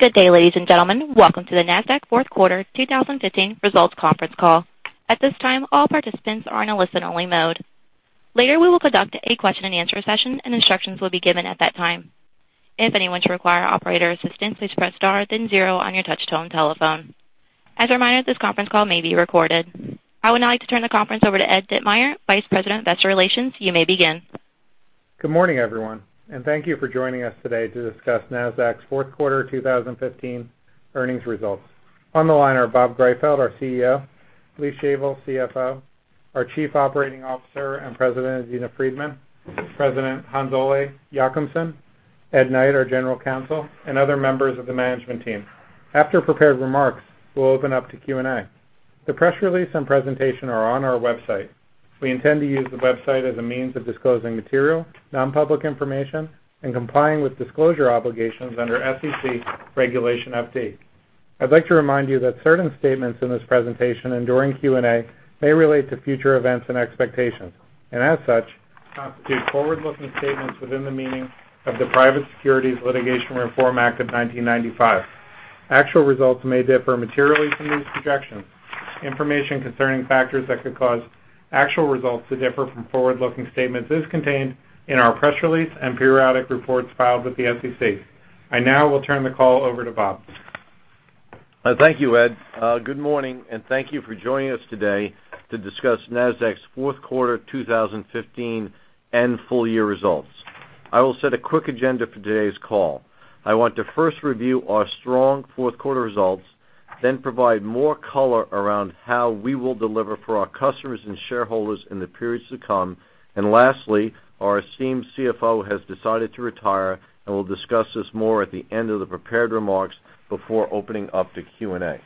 Good day, ladies and gentlemen. Welcome to the Nasdaq fourth quarter 2015 results conference call. At this time, all participants are in a listen-only mode. Later, we will conduct a question and answer session, and instructions will be given at that time. If anyone should require operator assistance, please press star then zero on your touch-tone telephone. As a reminder, this conference call may be recorded. I would now like to turn the conference over to Ed Ditmire, Vice President of Investor Relations. You may begin. Good morning, everyone. Thank you for joining us today to discuss Nasdaq's fourth quarter 2015 earnings results. On the line are Robert Greifeld, our CEO, Lee Shavel, CFO, our Chief Operating Officer and President, Adena Friedman, President Hans-Ole Jochumsen, Edward Knight, our General Counsel, and other members of the management team. After prepared remarks, we'll open up to Q&A. The press release and presentation are on our website. We intend to use the website as a means of disclosing material, non-public information and complying with disclosure obligations under SEC Regulation FD. I'd like to remind you that certain statements in this presentation and during Q&A may relate to future events and expectations, and as such, constitute forward-looking statements within the meaning of the Private Securities Litigation Reform Act of 1995. Actual results may differ materially from these projections. Information concerning factors that could cause actual results to differ from forward-looking statements is contained in our press release and periodic reports filed with the SEC. I now will turn the call over to Bob. Thank you, Ed. Good morning. Thank you for joining us today to discuss Nasdaq's fourth quarter 2015 and full year results. I will set a quick agenda for today's call. I want to first review our strong fourth quarter results, then provide more color around how we will deliver for our customers and shareholders in the periods to come. Lastly, our esteemed CFO has decided to retire, and we'll discuss this more at the end of the prepared remarks before opening up to Q&A.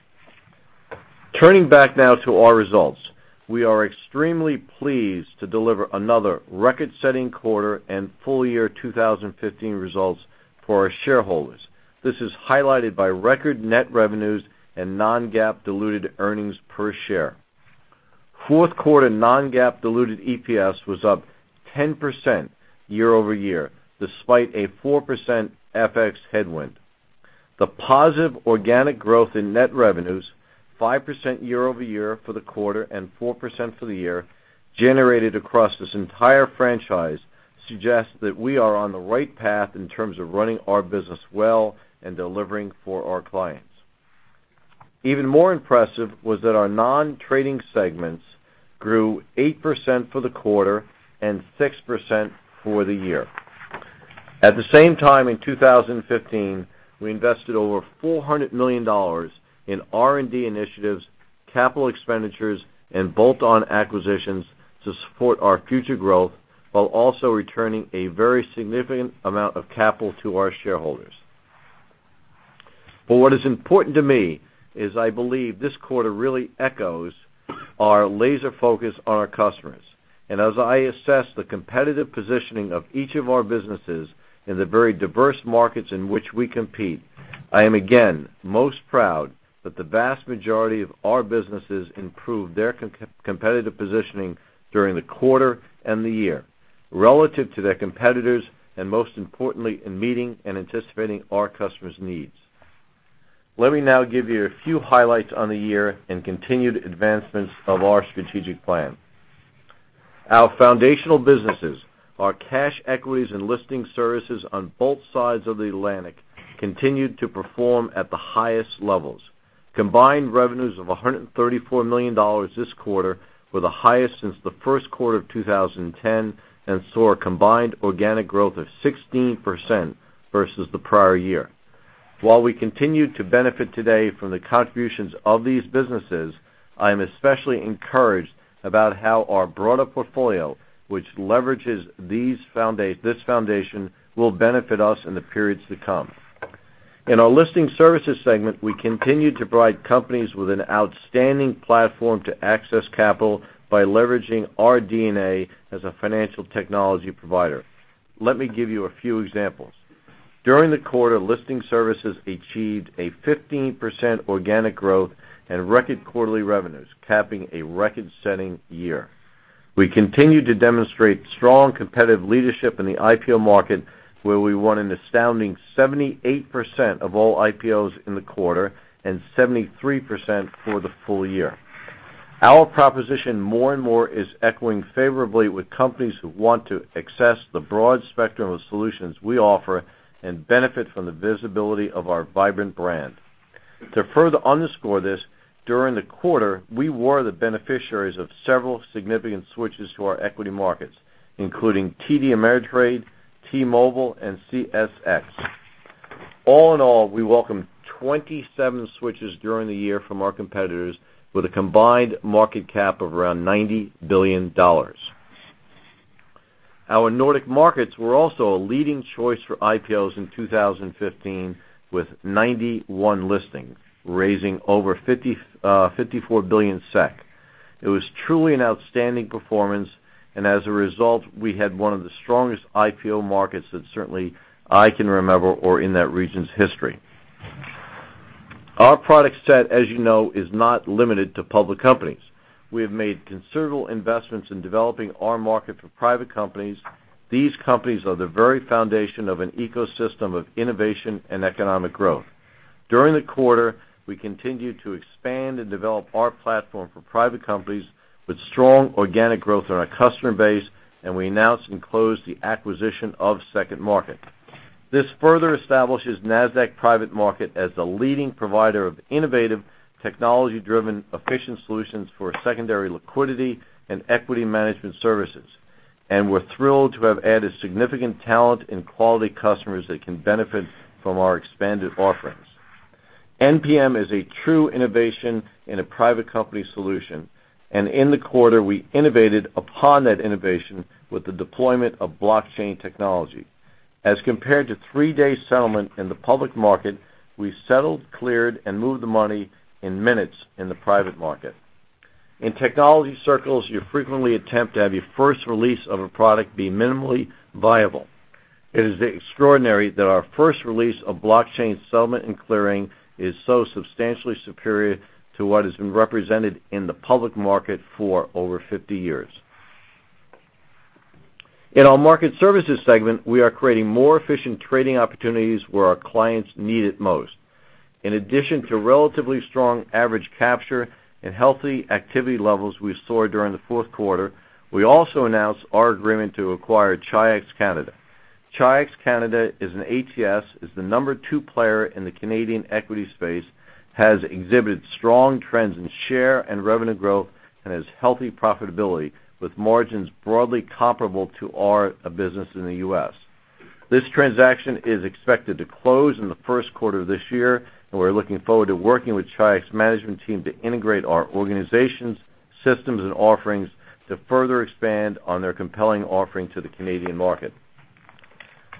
Turning back now to our results. We are extremely pleased to deliver another record-setting quarter and full year 2015 results for our shareholders. This is highlighted by record net revenues and non-GAAP diluted EPS. Fourth quarter non-GAAP diluted EPS was up 10% year-over-year, despite a 4% FX headwind. The positive organic growth in net revenues, 5% year-over-year for the quarter and 4% for the year, generated across this entire franchise suggests that we are on the right path in terms of running our business well and delivering for our clients. Even more impressive was that our non-trading segments grew 8% for the quarter and 6% for the year. At the same time, in 2015, we invested over $400 million in R&D initiatives, capital expenditures, and bolt-on acquisitions to support our future growth while also returning a very significant amount of capital to our shareholders. What is important to me is I believe this quarter really echoes our laser focus on our customers. As I assess the competitive positioning of each of our businesses in the very diverse markets in which we compete, I am again most proud that the vast majority of our businesses improved their competitive positioning during the quarter and the year relative to their competitors, and most importantly, in meeting and anticipating our customers' needs. Let me now give you a few highlights on the year and continued advancements of our strategic plan. Our foundational businesses, our cash equities and listing services on both sides of the Atlantic, continued to perform at the highest levels. Combined revenues of $134 million this quarter were the highest since the first quarter of 2010 and saw a combined organic growth of 16% versus the prior year. While we continue to benefit today from the contributions of these businesses, I am especially encouraged about how our broader portfolio, which leverages this foundation, will benefit us in the periods to come. In our listing services segment, we continue to provide companies with an outstanding platform to access capital by leveraging our DNA as a financial technology provider. Let me give you a few examples. During the quarter, listing services achieved a 15% organic growth and record quarterly revenues, capping a record-setting year. We continue to demonstrate strong competitive leadership in the IPO market, where we won an astounding 78% of all IPOs in the quarter and 73% for the full year. Our proposition more and more is echoing favorably with companies who want to access the broad spectrum of solutions we offer and benefit from the visibility of our vibrant brand. To further underscore this, during the quarter, we were the beneficiaries of several significant switches to our equity markets, including TD Ameritrade, T-Mobile, and CSX. All in all, we welcomed 27 switches during the year from our competitors with a combined market cap of around $90 billion. Our Nordic markets were also a leading choice for IPOs in 2015, with 91 listings, raising over 54 billion SEK. It was truly an outstanding performance, and as a result, we had one of the strongest IPO markets that certainly I can remember or in that region's history. Our product set, as you know, is not limited to public companies. We have made considerable investments in developing our market for private companies. These companies are the very foundation of an ecosystem of innovation and economic growth. During the quarter, we continued to expand and develop our platform for private companies with strong organic growth in our customer base, we announced and closed the acquisition of SecondMarket. This further establishes Nasdaq Private Market as the leading provider of innovative, technology-driven, efficient solutions for secondary liquidity and equity management services. We're thrilled to have added significant talent and quality customers that can benefit from our expanded offerings. NPM is a true innovation in a private company solution, and in the quarter, we innovated upon that innovation with the deployment of blockchain technology. As compared to three-day settlement in the public market, we settled, cleared, and moved the money in minutes in the private market. In technology circles, you frequently attempt to have your first release of a product be minimally viable. It is extraordinary that our first release of blockchain settlement and clearing is so substantially superior to what has been represented in the public market for over 50 years. In our market services segment, we are creating more efficient trading opportunities where our clients need it most. In addition to relatively strong average capture and healthy activity levels we saw during the fourth quarter, we also announced our agreement to acquire Chi-X Canada. Chi-X Canada is an ATS, is the number 2 player in the Canadian equity space, has exhibited strong trends in share and revenue growth, and has healthy profitability, with margins broadly comparable to our business in the U.S. This transaction is expected to close in the first quarter of this year, we're looking forward to working with Chi-X management team to integrate our organizations, systems, and offerings to further expand on their compelling offering to the Canadian market.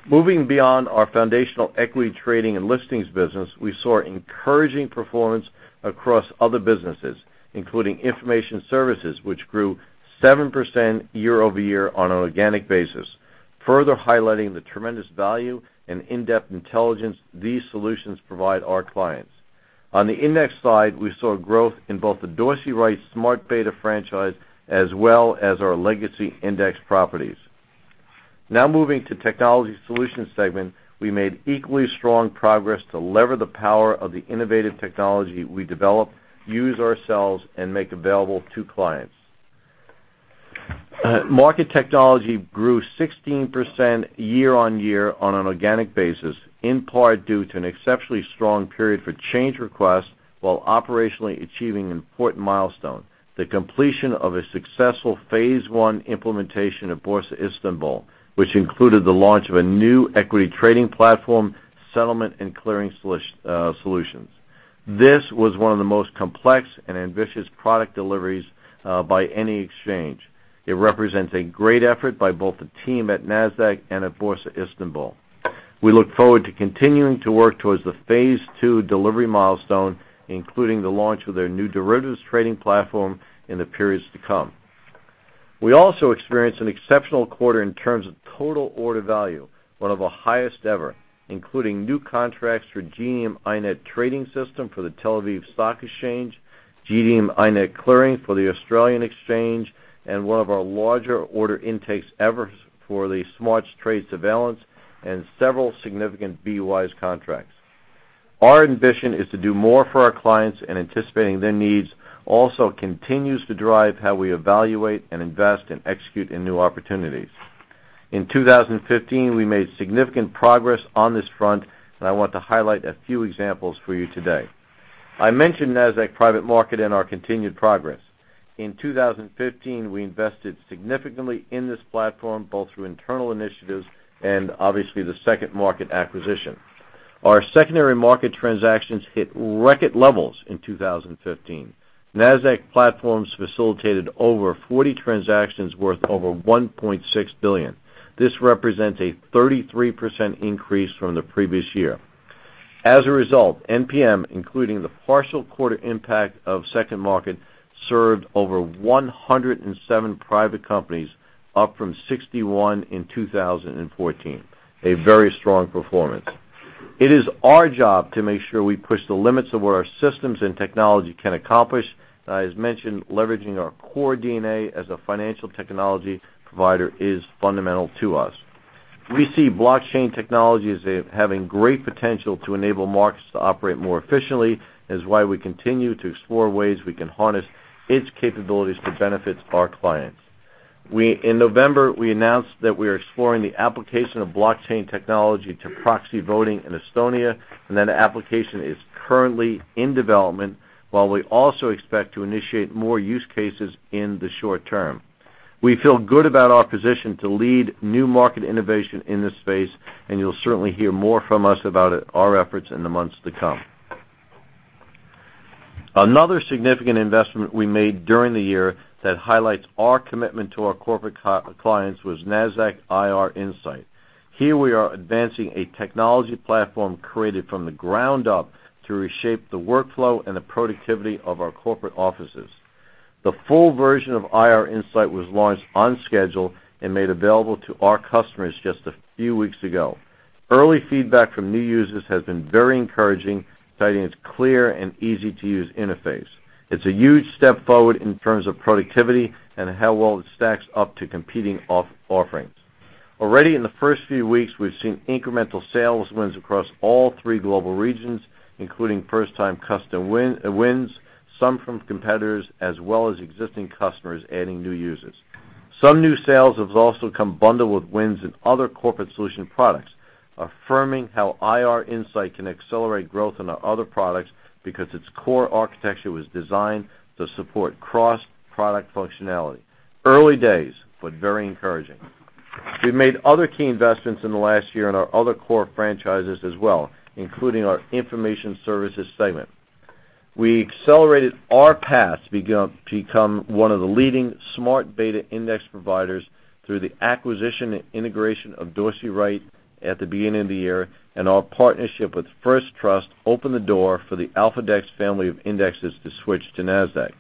Moving beyond our foundational equity trading and listings business, we saw encouraging performance across other businesses, including information services, which grew 7% year-over-year on an organic basis, further highlighting the tremendous value and in-depth intelligence these solutions provide our clients. On the index side, we saw growth in both the Dorsey Wright Smart Beta franchise as well as our legacy index properties. Moving to technology solutions segment, we made equally strong progress to lever the power of the innovative technology we develop, use ourselves, and make available to clients. Market technology grew 16% year-over-year on an organic basis, in part due to an exceptionally strong period for change requests while operationally achieving an important milestone, the completion of a successful phase 1 implementation of Borsa Istanbul, which included the launch of a new equity trading platform, settlement and clearing solutions. This was one of the most complex and ambitious product deliveries by any exchange. It represents a great effort by both the team at Nasdaq and at Borsa Istanbul. We look forward to continuing to work towards the phase 2 delivery milestone, including the launch of their new derivatives trading platform in the periods to come. We also experienced an exceptional quarter in terms of total order value, one of the highest ever, including new contracts for GENIUM INET trading system for the Tel Aviv Stock Exchange, GENIUM INET Clearing for the Australian Exchange, one of our larger order intakes ever for the SMARTS Trade Surveillance and several significant BWise contracts. Our ambition is to do more for our clients. Anticipating their needs also continues to drive how we evaluate and invest and execute in new opportunities. In 2015, we made significant progress on this front. I want to highlight a few examples for you today. I mentioned Nasdaq Private Market and our continued progress. In 2015, we invested significantly in this platform, both through internal initiatives and obviously the SecondMarket acquisition. Our secondary market transactions hit record levels in 2015. Nasdaq platforms facilitated over 40 transactions worth over $1.6 billion. This represents a 33% increase from the previous year. As a result, NPM, including the partial quarter impact of SecondMarket, served over 107 private companies, up from 61 in 2014. A very strong performance. It is our job to make sure we push the limits of what our systems and technology can accomplish. As mentioned, leveraging our core DNA as a financial technology provider is fundamental to us. We see blockchain technology as having great potential to enable markets to operate more efficiently, that is why we continue to explore ways we can harness its capabilities to benefit our clients. In November, we announced that we are exploring the application of blockchain technology to proxy voting in Estonia, and that application is currently in development, while we also expect to initiate more use cases in the short term. We feel good about our position to lead new market innovation in this space, and you'll certainly hear more from us about our efforts in the months to come. Another significant investment we made during the year that highlights our commitment to our corporate clients was Nasdaq IR Insight. Here we are advancing a technology platform created from the ground up to reshape the workflow and the productivity of our corporate offices. The full version of IR Insight was launched on schedule and made available to our customers just a few weeks ago. Early feedback from new users has been very encouraging, citing its clear and easy-to-use interface. It's a huge step forward in terms of productivity and how well it stacks up to competing offerings. Already in the first few weeks, we've seen incremental sales wins across all three global regions, including first-time customer wins, some from competitors, as well as existing customers adding new users. Some new sales have also come bundled with wins in other corporate solution products, affirming how IR Insight can accelerate growth in our other products because its core architecture was designed to support cross-product functionality. Early days, but very encouraging. We've made other key investments in the last year in our other core franchises as well, including our information services segment. We accelerated our path to become one of the leading Smart Beta index providers through the acquisition and integration of Dorsey Wright at the beginning of the year. Our partnership with First Trust opened the door for the AlphaDEX family of indexes to switch to Nasdaq.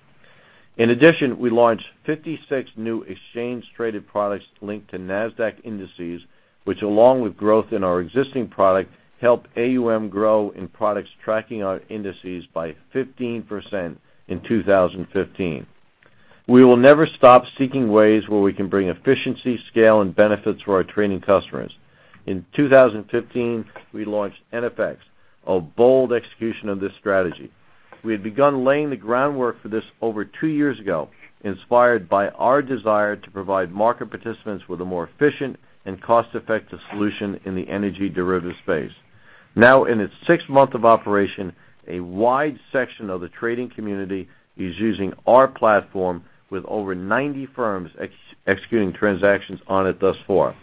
In addition, we launched 56 new exchange-traded products linked to Nasdaq indices, which, along with growth in our existing product, helped AUM grow in products tracking our indices by 15% in 2015. We will never stop seeking ways where we can bring efficiency, scale, and benefits for our trading customers. In 2015, we launched NFX, a bold execution of this strategy. We had begun laying the groundwork for this over two years ago, inspired by our desire to provide market participants with a more efficient and cost-effective solution in the energy derivative space. Now in its sixth month of operation, a wide section of the trading community is using our platform, with over 90 firms executing transactions on it thus far.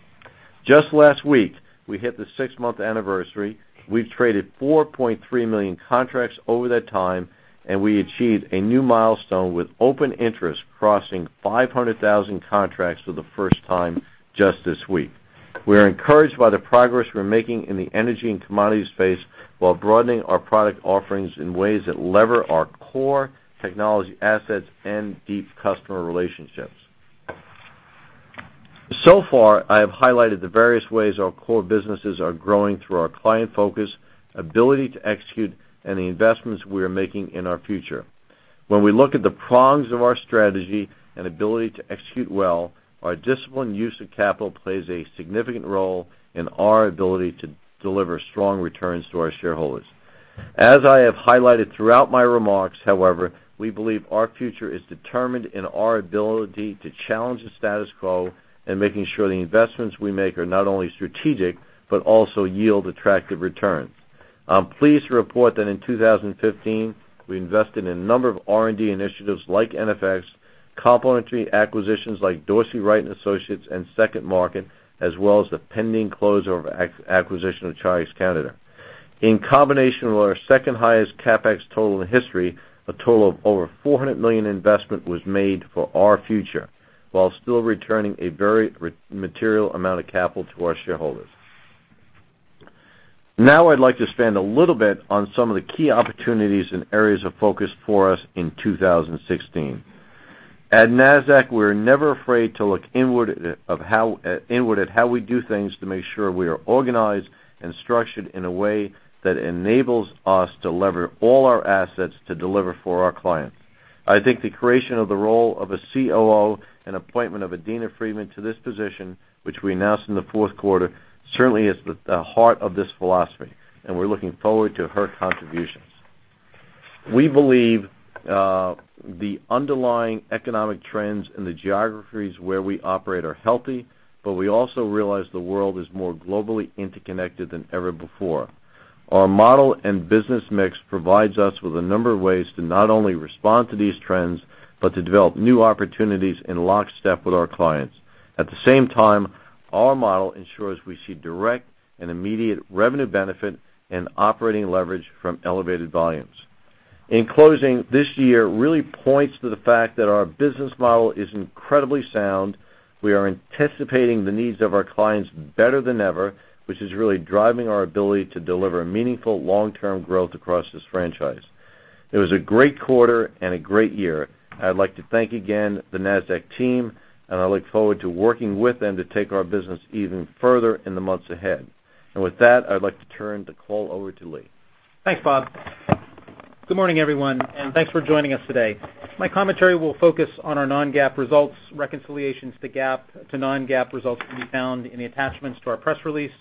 Just last week, we hit the six-month anniversary. We've traded 4.3 million contracts over that time, and we achieved a new milestone with open interest, crossing 500,000 contracts for the first time just this week. We are encouraged by the progress we're making in the energy and commodities space while broadening our product offerings in ways that lever our core technology assets and deep customer relationships. I have highlighted the various ways our core businesses are growing through our client focus, ability to execute, and the investments we are making in our future. When we look at the prongs of our strategy and ability to execute well, our disciplined use of capital plays a significant role in our ability to deliver strong returns to our shareholders. As I have highlighted throughout my remarks, however, we believe our future is determined in our ability to challenge the status quo and making sure the investments we make are not only strategic but also yield attractive returns. I'm pleased to report that in 2015, we invested in a number of R&D initiatives like NFX, complementary acquisitions like Dorsey Wright and Associates, and SecondMarket, as well as the pending closure of acquisition of Chi-X Canada. In combination with our second-highest CapEx total in history, a total of over $400 million investment was made for our future while still returning a very material amount of capital to our shareholders. I'd like to spend a little bit on some of the key opportunities and areas of focus for us in 2016. At Nasdaq, we're never afraid to look inward at how we do things to make sure we are organized and structured in a way that enables us to lever all our assets to deliver for our clients. I think the creation of the role of a COO and appointment of Adena Friedman to this position, which we announced in the fourth quarter, certainly is the heart of this philosophy, and we're looking forward to her contributions. We believe the underlying economic trends in the geographies where we operate are healthy, but we also realize the world is more globally interconnected than ever before. Our model and business mix provides us with a number of ways to not only respond to these trends but to develop new opportunities in lockstep with our clients. At the same time, our model ensures we see direct and immediate revenue benefit and operating leverage from elevated volumes. In closing, this year really points to the fact that our business model is incredibly sound. We are anticipating the needs of our clients better than ever, which is really driving our ability to deliver meaningful long-term growth across this franchise. It was a great quarter and a great year. I'd like to thank again the Nasdaq team, and I look forward to working with them to take our business even further in the months ahead. With that, I'd like to turn the call over to Lee. Thanks, Bob. Good morning, everyone, thanks for joining us today. My commentary will focus on our non-GAAP results. Reconciliations to non-GAAP results can be found in the attachments to our press release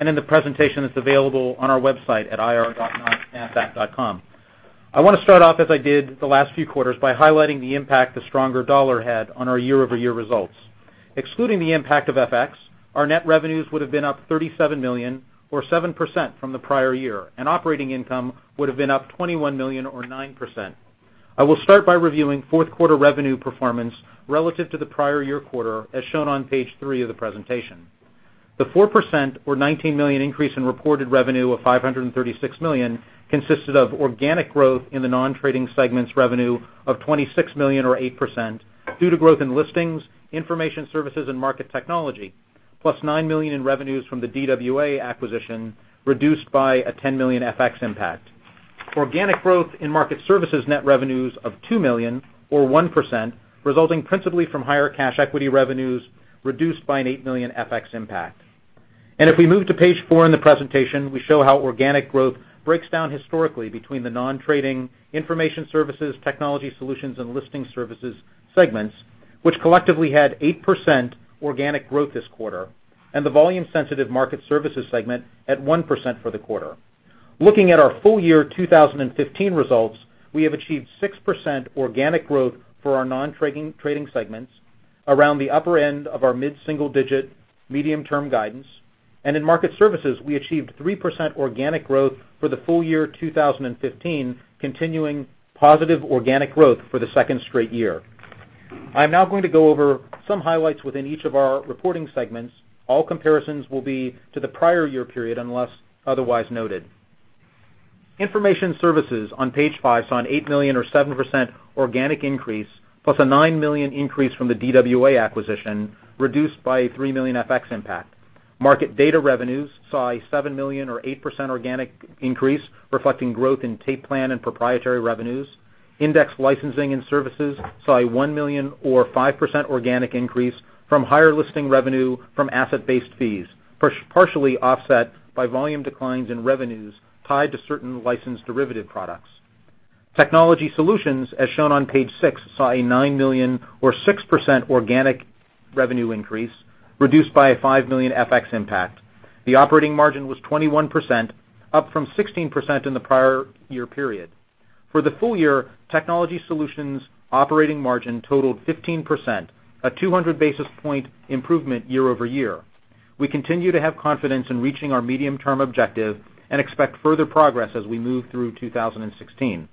and in the presentation that's available on our website at ir.nasdaq.com. I want to start off as I did the last few quarters by highlighting the impact the stronger dollar had on our year-over-year results. Excluding the impact of FX, our net revenues would have been up $37 million or 7% from the prior year, and operating income would have been up $21 million or 9%. I will start by reviewing fourth quarter revenue performance relative to the prior year quarter, as shown on page three of the presentation. The 4% or $19 million increase in reported revenue of $536 million consisted of organic growth in the non-trading segments revenue of $26 million or 8% due to growth in listings, Information Services, and Market Technology. Plus $9 million in revenues from the DWA acquisition, reduced by a $10 million FX impact. Organic growth in Market Services net revenues of $2 million or 1%, resulting principally from higher cash equity revenues, reduced by an $8 million FX impact. If we move to page four in the presentation, we show how organic growth breaks down historically between the non-trading Information Services, Technology Solutions, and Listing Services segments, which collectively had 8% organic growth this quarter, and the volume-sensitive Market Services segment at 1% for the quarter. Looking at our full year 2015 results, we have achieved 6% organic growth for our non-trading segments around the upper end of our mid-single-digit medium-term guidance. In Market Services, we achieved 3% organic growth for the full year 2015, continuing positive organic growth for the second straight year. I'm now going to go over some highlights within each of our reporting segments. All comparisons will be to the prior year period, unless otherwise noted. Information Services, on page five, saw an $8 million or 7% organic increase, plus a $9 million increase from the DWA acquisition, reduced by a $3 million FX impact. Market data revenues saw a $7 million or 8% organic increase, reflecting growth in tape plan and proprietary revenues. Index licensing and services saw a $1 million or 5% organic increase from higher listing revenue from asset-based fees, partially offset by volume declines in revenues tied to certain licensed derivative products. Technology Solutions, as shown on page six, saw a $9 million or 6% organic revenue increase, reduced by a $5 million FX impact. The operating margin was 21%, up from 16% in the prior year period. For the full year, Technology Solutions operating margin totaled 15%, a 200-basis point improvement year-over-year. We continue to have confidence in reaching our medium-term objective and expect further progress as we move through 2016.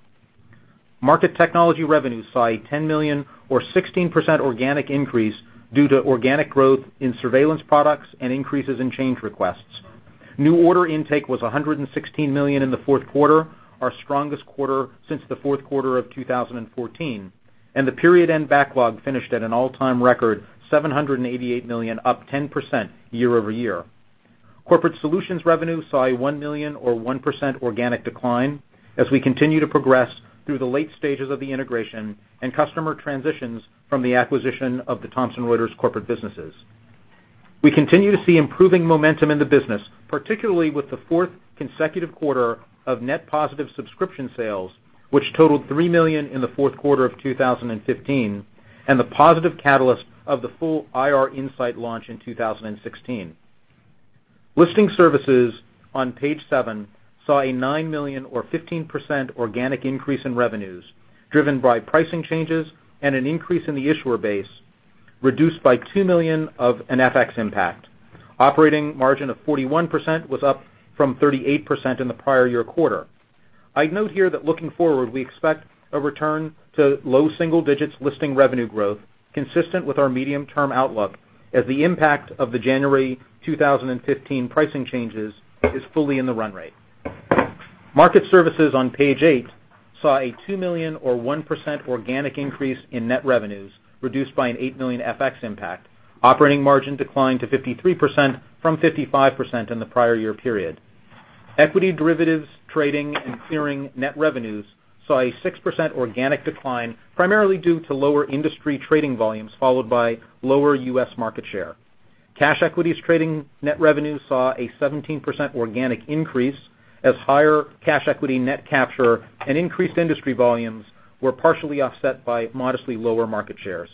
Market Technology revenues saw a $10 million or 16% organic increase due to organic growth in surveillance products and increases in change requests. New order intake was $116 million in the fourth quarter, our strongest quarter since the fourth quarter of 2014, and the period-end backlog finished at an all-time record $788 million, up 10% year-over-year. Corporate Solutions revenue saw a $1 million or 1% organic decline as we continue to progress through the late stages of the integration and customer transitions from the acquisition of the Thomson Reuters corporate businesses. We continue to see improving momentum in the business, particularly with the fourth consecutive quarter of net positive subscription sales, which totaled $3 million in the fourth quarter of 2015, and the positive catalyst of the full IR Insight launch in 2016. Listing Services, on page seven, saw a $9 million or 15% organic increase in revenues, driven by pricing changes and an increase in the issuer base, reduced by $2 million of an FX impact. Operating margin of 41% was up from 38% in the prior year quarter. I'd note here that looking forward, we expect a return to low single digits listing revenue growth consistent with our medium-term outlook as the impact of the January 2015 pricing changes is fully in the run rate. Market Services, on page eight, saw a $2 million or 1% organic increase in net revenues, reduced by an $8 million FX impact. Operating margin declined to 53% from 55% in the prior year period. Equity derivatives trading and clearing net revenues saw a 6% organic decline, primarily due to lower industry trading volumes, followed by lower U.S. market share. Cash equities trading net revenues saw a 17% organic increase as higher cash equity net capture and increased industry volumes were partially offset by modestly lower market shares.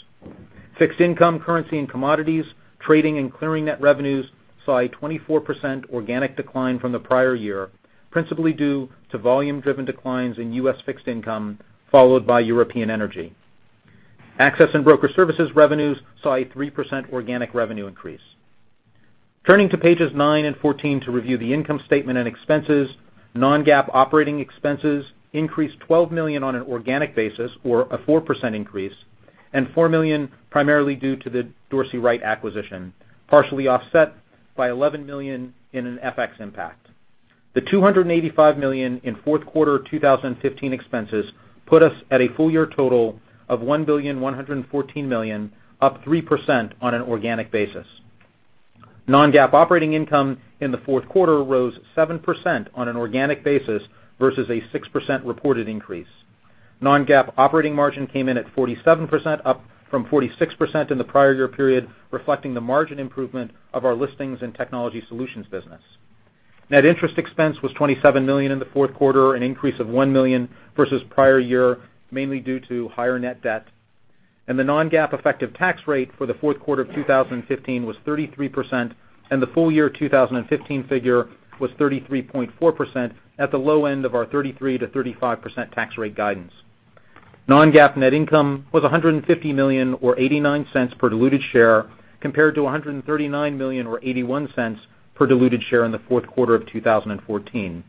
Fixed income, currency, and commodities trading and clearing net revenues saw a 24% organic decline from the prior year, principally due to volume-driven declines in U.S. fixed income, followed by European energy. Access and broker services revenues saw a 3% organic revenue increase. Turning to pages nine and 14 to review the income statement and expenses, non-GAAP operating expenses increased $12 million on an organic basis or a 4% increase, and $4 million primarily due to the Dorsey Wright acquisition, partially offset by $11 million in an FX impact. The $285 million in fourth quarter 2015 expenses put us at a full year total of $1,114 million, up 3% on an organic basis. Non-GAAP operating income in the fourth quarter rose 7% on an organic basis versus a 6% reported increase. Non-GAAP operating margin came in at 47%, up from 46% in the prior year period, reflecting the margin improvement of our listings and technology solutions business. Net interest expense was $27 million in the fourth quarter, an increase of $1 million versus prior year, mainly due to higher net debt. The non-GAAP effective tax rate for the fourth quarter of 2015 was 33%, and the full year 2015 figure was 33.4% at the low end of our 33%-35% tax rate guidance. Non-GAAP net income was $150 million or $0.89 per diluted share, compared to $139 million or $0.81 per diluted share in the fourth quarter of 2014.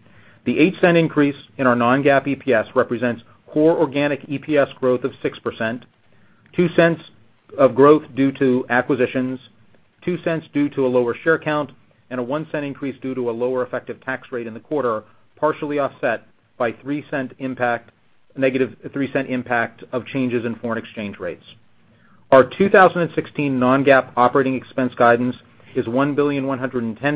The $0.8 increase in our non-GAAP EPS represents core organic EPS growth of 6%, $0.02 of growth due to acquisitions, $0.02 due to a lower share count, and a $0.01 increase due to a lower effective tax rate in the quarter, partially offset by a negative $0.03 impact of changes in foreign exchange rates. Our 2016 non-GAAP operating expense guidance is $1.11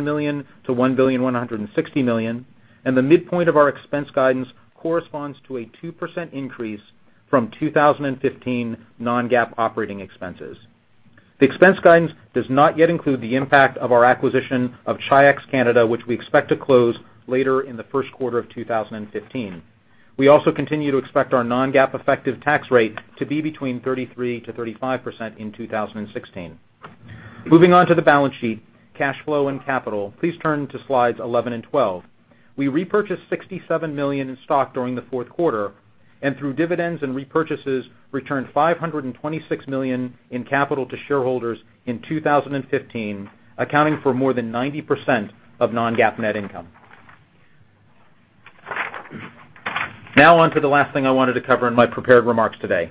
billion to $1.16 billion, and the midpoint of our expense guidance corresponds to a 2% increase from 2015 non-GAAP operating expenses. The expense guidance does not yet include the impact of our acquisition of Chi-X Canada, which we expect to close later in the first quarter of 2015. We also continue to expect our non-GAAP effective tax rate to be between 33%-35% in 2016. Moving on to the balance sheet, cash flow, and capital. Please turn to slides 11 and 12. We repurchased $67 million in stock during the fourth quarter. Through dividends and repurchases, returned $526 million in capital to shareholders in 2015, accounting for more than 90% of non-GAAP net income. Now on to the last thing I wanted to cover in my prepared remarks today.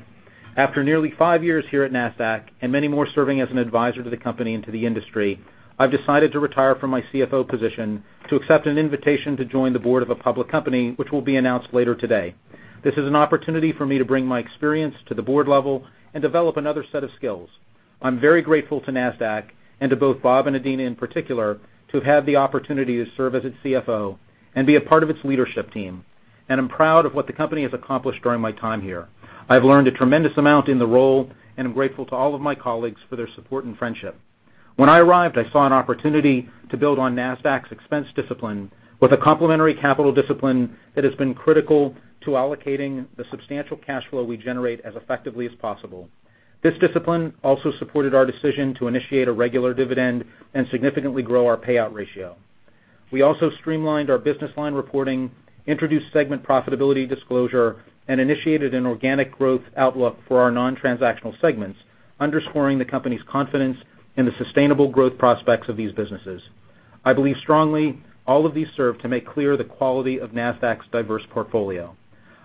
After nearly five years here at Nasdaq and many more serving as an advisor to the company and to the industry, I've decided to retire from my CFO position to accept an invitation to join the board of a public company, which will be announced later today. This is an opportunity for me to bring my experience to the board level and develop another set of skills. I'm very grateful to Nasdaq and to both Bob and Adena in particular, to have had the opportunity to serve as its CFO and be a part of its leadership team. I'm proud of what the company has accomplished during my time here. I've learned a tremendous amount in the role, and I'm grateful to all of my colleagues for their support and friendship. When I arrived, I saw an opportunity to build on Nasdaq's expense discipline with a complementary capital discipline that has been critical to allocating the substantial cash flow we generate as effectively as possible. This discipline also supported our decision to initiate a regular dividend and significantly grow our payout ratio. We also streamlined our business line reporting, introduced segment profitability disclosure, and initiated an organic growth outlook for our non-transactional segments, underscoring the company's confidence in the sustainable growth prospects of these businesses. I believe strongly all of these serve to make clear the quality of Nasdaq's diverse portfolio.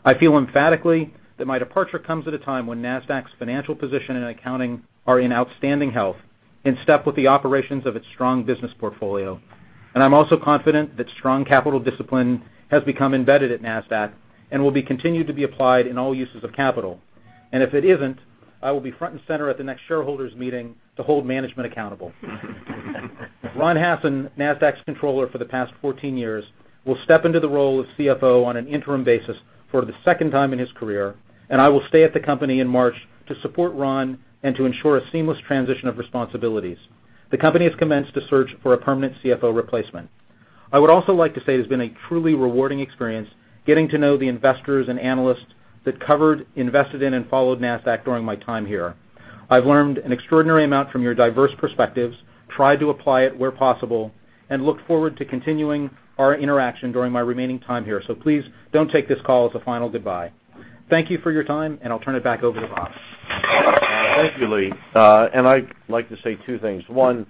I feel emphatically that my departure comes at a time when Nasdaq's financial position and accounting are in outstanding health, in step with the operations of its strong business portfolio. I'm also confident that strong capital discipline has become embedded at Nasdaq and will be continued to be applied in all uses of capital. If it isn't, I will be front and center at the next shareholders' meeting to hold management accountable. Ronald Hassen, Nasdaq's controller for the past 14 years, will step into the role of CFO on an interim basis for the second time in his career, and I will stay at the company in March to support Ronald and to ensure a seamless transition of responsibilities. The company has commenced a search for a permanent CFO replacement. I would also like to say it's been a truly rewarding experience getting to know the investors and analysts that covered, invested in, and followed Nasdaq during my time here. I've learned an extraordinary amount from your diverse perspectives, tried to apply it where possible, and look forward to continuing our interaction during my remaining time here. Please don't take this call as a final goodbye. Thank you for your time, and I'll turn it back over to Bob. Thank you, Lee. I'd like to say two things. One,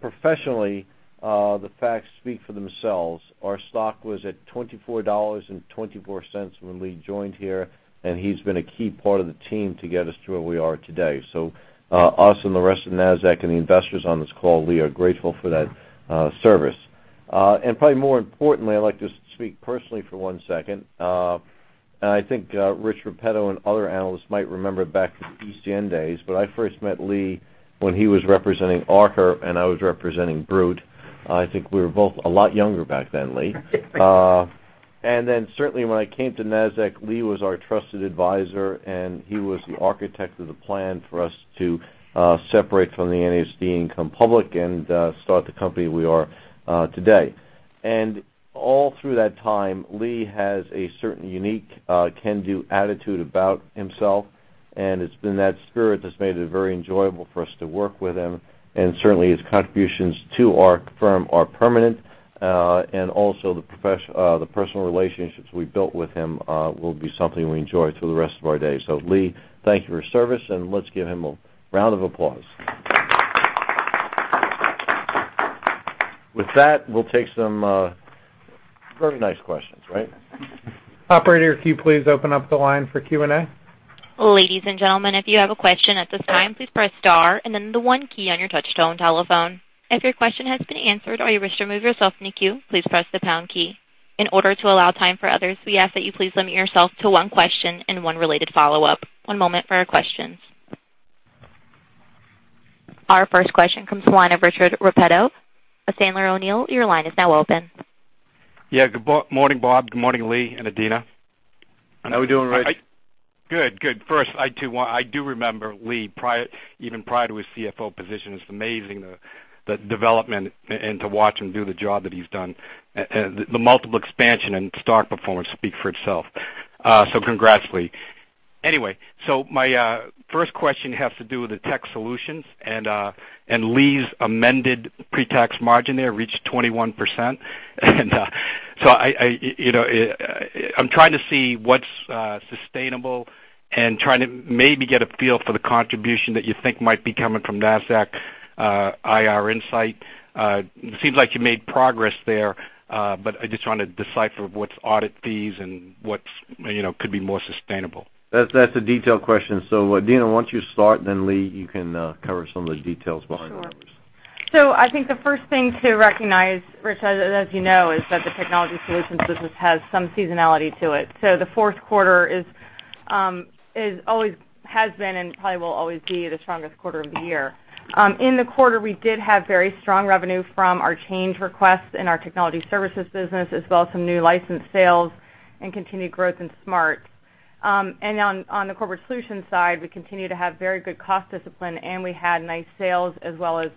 professionally, the facts speak for themselves. Our stock was at $24.24 when Lee joined here, and he's been a key part of the team to get us to where we are today. Us and the rest of Nasdaq and the investors on this call, Lee, are grateful for that service. Probably more importantly, I'd like to speak personally for one second. I think Rich Repetto and other analysts might remember back to the ECN days, but I first met Lee when he was representing Archipelago and I was representing Brut. I think we were both a lot younger back then, Lee. Then certainly when I came to Nasdaq, Lee was our trusted advisor, and he was the architect of the plan for us to separate from the NASD and come public and start the company we are today. All through that time, Lee has a certain unique can-do attitude about himself, and it's been that spirit that's made it very enjoyable for us to work with him. Certainly, his contributions to our firm are permanent. Also the personal relationships we built with him will be something we enjoy for the rest of our days. Lee, thank you for your service, and let's give him a round of applause. With that, we'll take some very nice questions, right? Operator, can you please open up the line for Q&A? Ladies and gentlemen, if you have a question at this time, please press star and then the 1 key on your touch-tone telephone. If your question has been answered or you wish to remove yourself from the queue, please press the pound key. In order to allow time for others, we ask that you please limit yourself to one question and one related follow-up. One moment for our questions. Our first question comes to the line of Richard Repetto of Sandler O'Neill + Partners. Your line is now open. Yeah. Good morning, Bob. Good morning, Lee and Adena. How we doing, Rich? Good. First, I do remember Lee even prior to his CFO position. It's amazing the development and to watch him do the job that he's done. The multiple expansion and stock performance speak for itself. Congrats, Lee. Anyway, my first question has to do with the tech solutions and Lee's amended pre-tax margin there reached 21%. I'm trying to see what's sustainable and trying to maybe get a feel for the contribution that you think might be coming from Nasdaq IR Insight. It seems like you made progress there. I'm just trying to decipher what's audit fees and what could be more sustainable. That's a detailed question. Adena, why don't you start, then Lee, you can cover some of the details behind the numbers. I think the first thing to recognize, Rich, as you know, is that the technology solutions business has some seasonality to it. The fourth quarter always has been, and probably will always be, the strongest quarter of the year. In the quarter, we did have very strong revenue from our change requests in our technology services business, as well as some new license sales and continued growth in SMARTS. On the corporate solutions side, we continue to have very good cost discipline, and we had nice sales as well as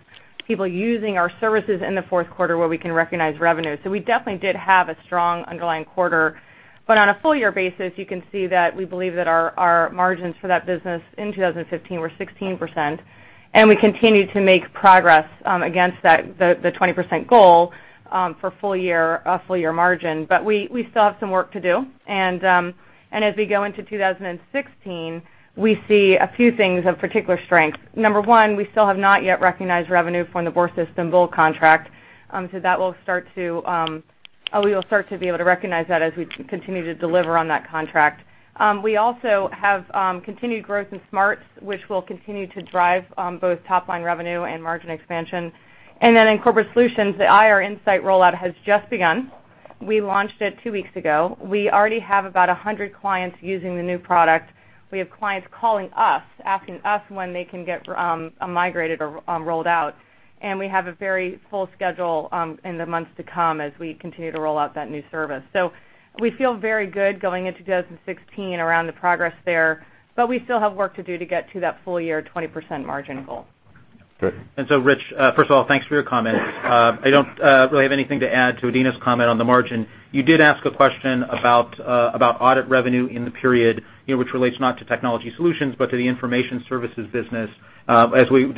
people using our services in the fourth quarter where we can recognize revenue. We definitely did have a strong underlying quarter. On a full year basis, you can see that we believe that our margins for that business in 2015 were 16%, and we continue to make progress against the 20% goal for a full year margin. We still have some work to do. As we go into 2016, we see a few things of particular strength. Number 1, we still have not yet recognized revenue from the Borsa Istanbul contract. We will start to be able to recognize that as we continue to deliver on that contract. We also have continued growth in SMARTS, which will continue to drive both top-line revenue and margin expansion. Then in corporate solutions, the IR Insight rollout has just begun. We launched it two weeks ago. We already have about 100 clients using the new product. We have clients calling us, asking us when they can get migrated or rolled out, we have a very full schedule in the months to come as we continue to roll out that new service. We feel very good going into 2016 around the progress there, we still have work to do to get to that full year 20% margin goal. Good. Rich, first of all, thanks for your comment. I don't really have anything to add to Adena's comment on the margin. You did ask a question about audit revenue in the period, which relates not to technology solutions, but to the information services business. As we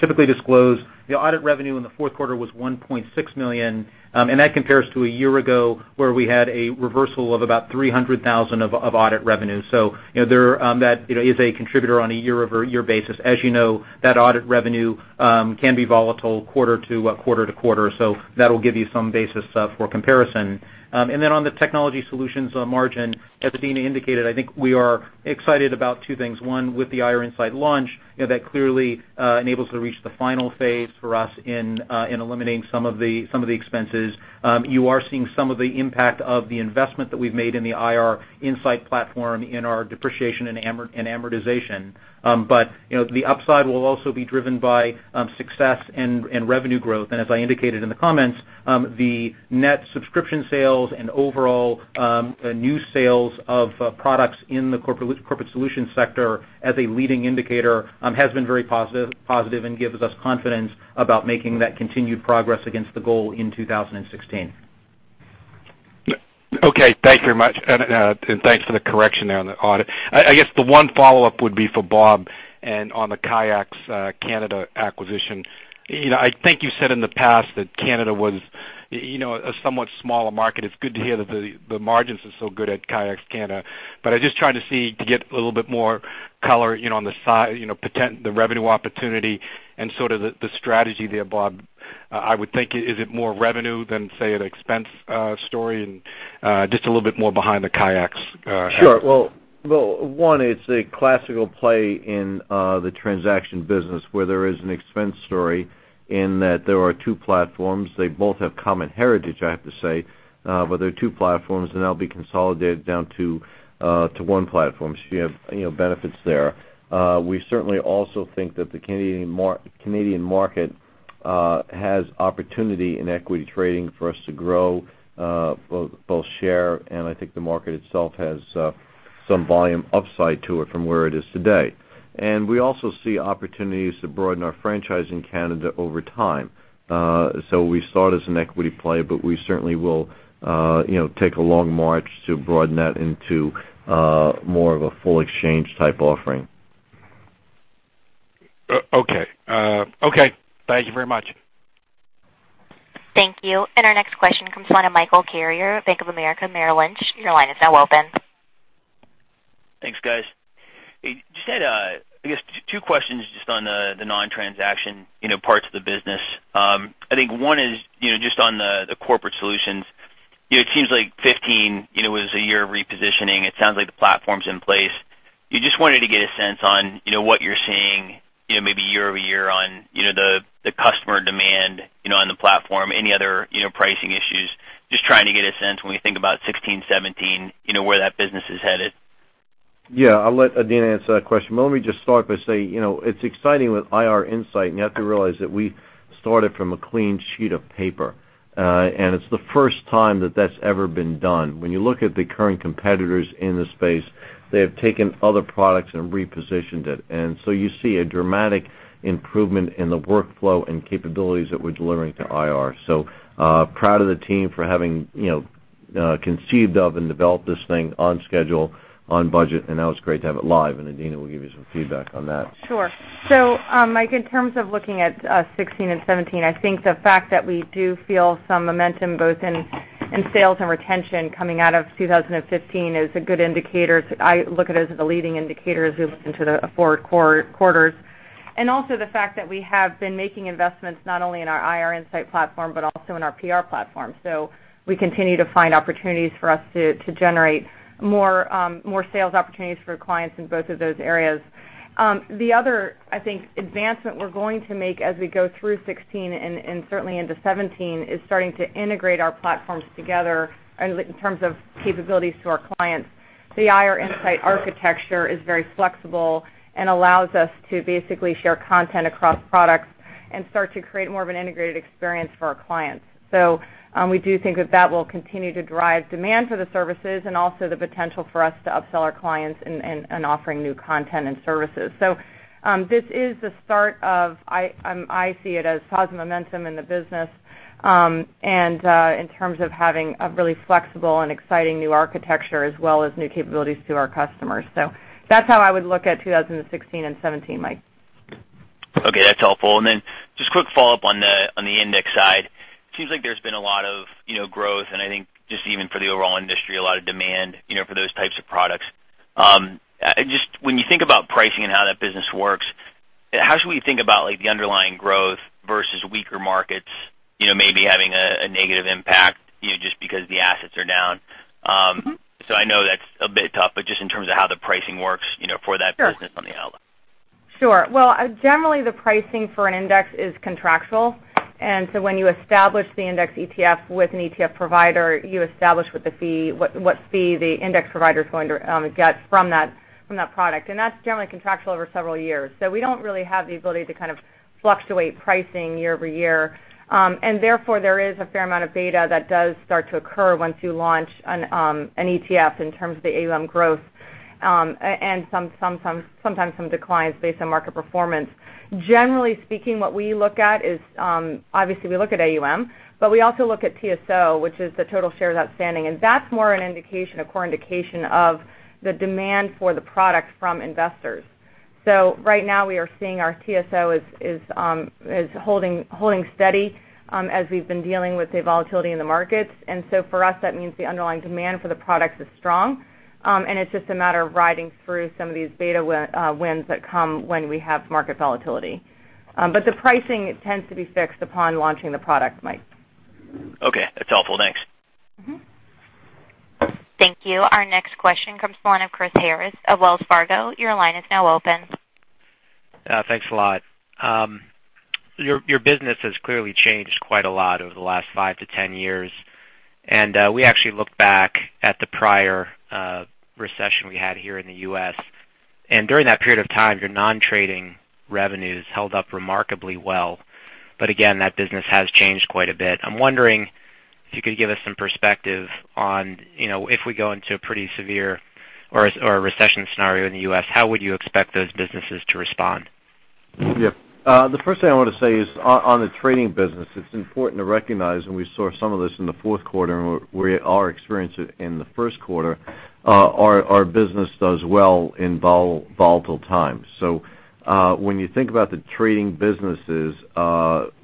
typically disclose, the audit revenue in the fourth quarter was $1.6 million, and that compares to a year ago, where we had a reversal of about $300,000 of audit revenue. That is a contributor on a year-over-year basis. As you know, that audit revenue can be volatile quarter-to-quarter. That'll give you some basis for comparison. Then on the technology solutions margin, as Adena indicated, I think we are excited about two things. One, with the IR Insight launch, that clearly enables to reach the final phase for us in eliminating some of the expenses. You are seeing some of the impact of the investment that we've made in the IR Insight platform in our depreciation and amortization. The upside will also be driven by success and revenue growth. As I indicated in the comments, the net subscription sales and overall new sales of products in the corporate solutions sector, as a leading indicator, has been very positive and gives us confidence about making that continued progress against the goal in 2016. Thank you very much, and thanks for the correction there on the audit. I guess the one follow-up would be for Bob, on the Chi-X Canada acquisition. I think you said in the past that Canada was a somewhat smaller market. It's good to hear that the margins are so good at Chi-X Canada. I'm just trying to see to get a little bit more color on the revenue opportunity and sort of the strategy there, Bob. I would think, is it more revenue than, say, an expense story? Just a little bit more behind the Chi-X aspect. Sure. One, it's a classical play in the transaction business where there is an expense story in that there are two platforms. They both have common heritage, I have to say, but they're two platforms, and they'll be consolidated down to one platform. You have benefits there. We certainly also think that the Canadian market has opportunity in equity trading for us to grow both share, and I think the market itself has some volume upside to it from where it is today. We also see opportunities to broaden our franchise in Canada over time. We start as an equity play, but we certainly will take a long march to broaden that into more of a full exchange type offering. Thank you very much. Thank you. Our next question comes from Michael Carrier, Bank of America Merrill Lynch. Your line is now open. Thanks, guys. Just had, I guess, two questions just on the non-transaction parts of the business. I think one is just on the corporate solutions. It seems like 2015 was a year of repositioning. It sounds like the platform's in place. Just wanted to get a sense on what you're seeing, maybe year-over-year, on the customer demand on the platform, any other pricing issues. Just trying to get a sense when we think about 2016, 2017, where that business is headed. Yeah, I'll let Adena answer that question. Let me just start by saying, it's exciting with IR Insight, and you have to realize that we started from a clean sheet of paper. It's the first time that that's ever been done. When you look at the current competitors in the space, they have taken other products and repositioned it. You see a dramatic improvement in the workflow and capabilities that we're delivering to IR. Proud of the team for having conceived of and developed this thing on schedule, on budget, and now it's great to have it live, and Adena will give you some feedback on that. Sure. Mike, in terms of looking at 2016 and 2017, I think the fact that we do feel some momentum both in sales and retention coming out of 2015 is a good indicator. I look at it as a leading indicator as we look into the forward quarters. Also the fact that we have been making investments not only in our IR Insight platform but also in our PR platform. We continue to find opportunities for us to generate more sales opportunities for clients in both of those areas. The other, I think, advancement we're going to make as we go through 2016 and certainly into 2017 is starting to integrate our platforms together in terms of capabilities to our clients. The Nasdaq IR Insight architecture is very flexible and allows us to basically share content across products and start to create more of an integrated experience for our clients. We do think that that will continue to drive demand for the services and also the potential for us to upsell our clients in offering new content and services. This is the start of, I see it as positive momentum in the business, and in terms of having a really flexible and exciting new architecture, as well as new capabilities to our customers. That's how I would look at 2016 and 2017, Mike. Okay, that's helpful. Then just quick follow-up on the index side. It seems like there's been a lot of growth, and I think just even for the overall industry, a lot of demand for those types of products. Just when you think about pricing and how that business works, how should we think about the underlying growth versus weaker markets maybe having a negative impact just because the assets are down? I know that's a bit tough, but just in terms of how the pricing works for that business. Sure on the outlook. Sure. Generally, the pricing for an index is contractual. When you establish the index ETF with an ETF provider, you establish what fee the index provider is going to get from that product. That's generally contractual over several years. We don't really have the ability to kind of fluctuate pricing year over year. Therefore, there is a fair amount of data that does start to occur once you launch an ETF in terms of the AUM growth, and sometimes some declines based on market performance. Generally speaking, what we look at is, obviously we look at AUM, but we also look at TSO, which is the total shares outstanding. That's more a core indication of the demand for the product from investors. Right now we are seeing our TSO is holding steady as we've been dealing with the volatility in the markets. For us, that means the underlying demand for the product is strong, and it's just a matter of riding through some of these beta winds that come when we have market volatility. The pricing tends to be fixed upon launching the product, Mike. Okay. That's helpful. Thanks. Thank you. Our next question comes from the line of Chris Harris of Wells Fargo. Your line is now open. Thanks a lot. Your business has clearly changed quite a lot over the last five to 10 years. We actually looked back at the prior recession we had here in the U.S., and during that period of time, your non-trading revenues held up remarkably well. Again, that business has changed quite a bit. I'm wondering if you could give us some perspective on if we go into a pretty severe or a recession scenario in the U.S., how would you expect those businesses to respond? Yeah. The first thing I want to say is on the trading business, it's important to recognize, and we saw some of this in the fourth quarter, and we are experiencing it in the first quarter, our business does well in volatile times. When you think about the trading businesses,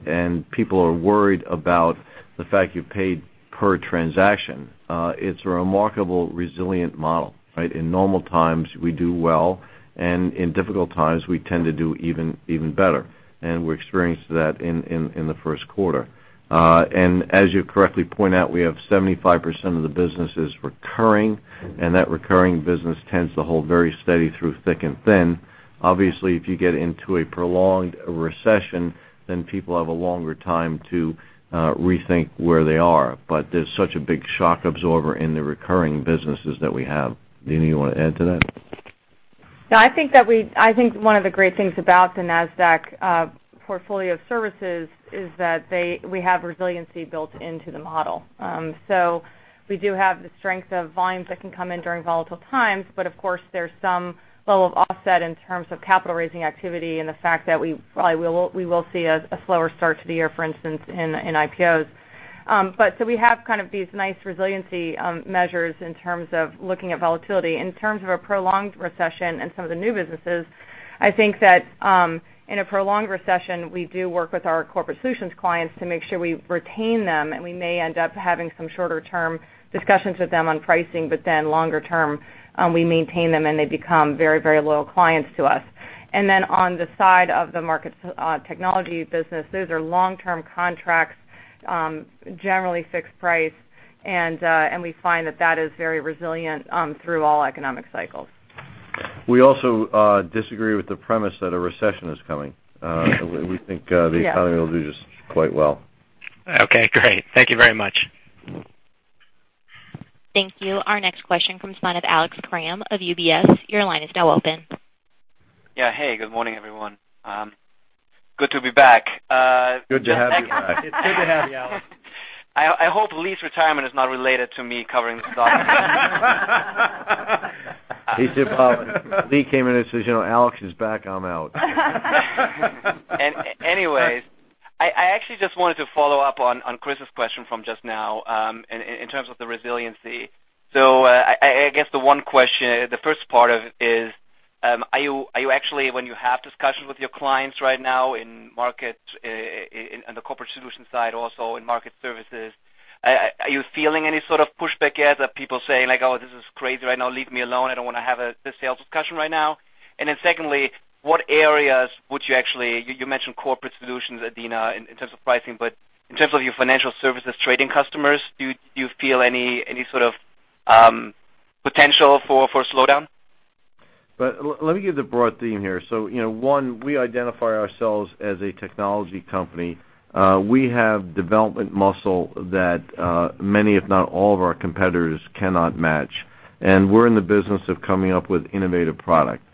and people are worried about the fact you're paid per transaction, it's a remarkable resilient model, right? In normal times, we do well, and in difficult times, we tend to do even better. We experienced that in the first quarter. As you correctly point out, we have 75% of the business is recurring, and that recurring business tends to hold very steady through thick and thin. Obviously, if you get into a prolonged recession, then people have a longer time to rethink where they are. There's such a big shock absorber in the recurring businesses that we have. Adena, you want to add to that? No, I think one of the great things about the Nasdaq portfolio of services is that we have resiliency built into the model. We do have the strength of volumes that can come in during volatile times, but of course, there's some level of offset in terms of capital raising activity and the fact that we probably will see a slower start to the year, for instance, in IPOs. We have kind of these nice resiliency measures in terms of looking at volatility. In terms of a prolonged recession and some of the new businesses, I think that in a prolonged recession, we do work with our corporate solutions clients to make sure we retain them, and we may end up having some shorter-term discussions with them on pricing, but then longer term, we maintain them, and they become very loyal clients to us. On the side of the market technology business, those are long-term contracts, generally fixed price, and we find that that is very resilient through all economic cycles. We also disagree with the premise that a recession is coming. Yeah. We think the economy will do just quite well. Okay, great. Thank you very much. Thank you. Our next question comes from the line of Alex Kramm of UBS. Your line is now open. Yeah. Hey, good morning, everyone. Good to be back. Good to have you back. It's good to have you, Alex. I hope Lee's retirement is not related to me covering the stock. Lee came in and says, "Alex is back. I'm out. Anyways, I actually just wanted to follow up on Chris's question from just now in terms of the resiliency. I guess the first part of it is, are you actually, when you have discussions with your clients right now in market, in the corporate solutions side also in market services, are you feeling any sort of pushback yet of people saying, "Oh, this is crazy right now. Leave me alone. I don't want to have this sales discussion right now"? Secondly, what areas would you actually, you mentioned corporate solutions, Adena, in terms of pricing, but in terms of your financial services trading customers, do you feel any sort of potential for slowdown? Let me give the broad theme here. One, we identify ourselves as a technology company. We have development muscle that many, if not all of our competitors cannot match. We're in the business of coming up with innovative product.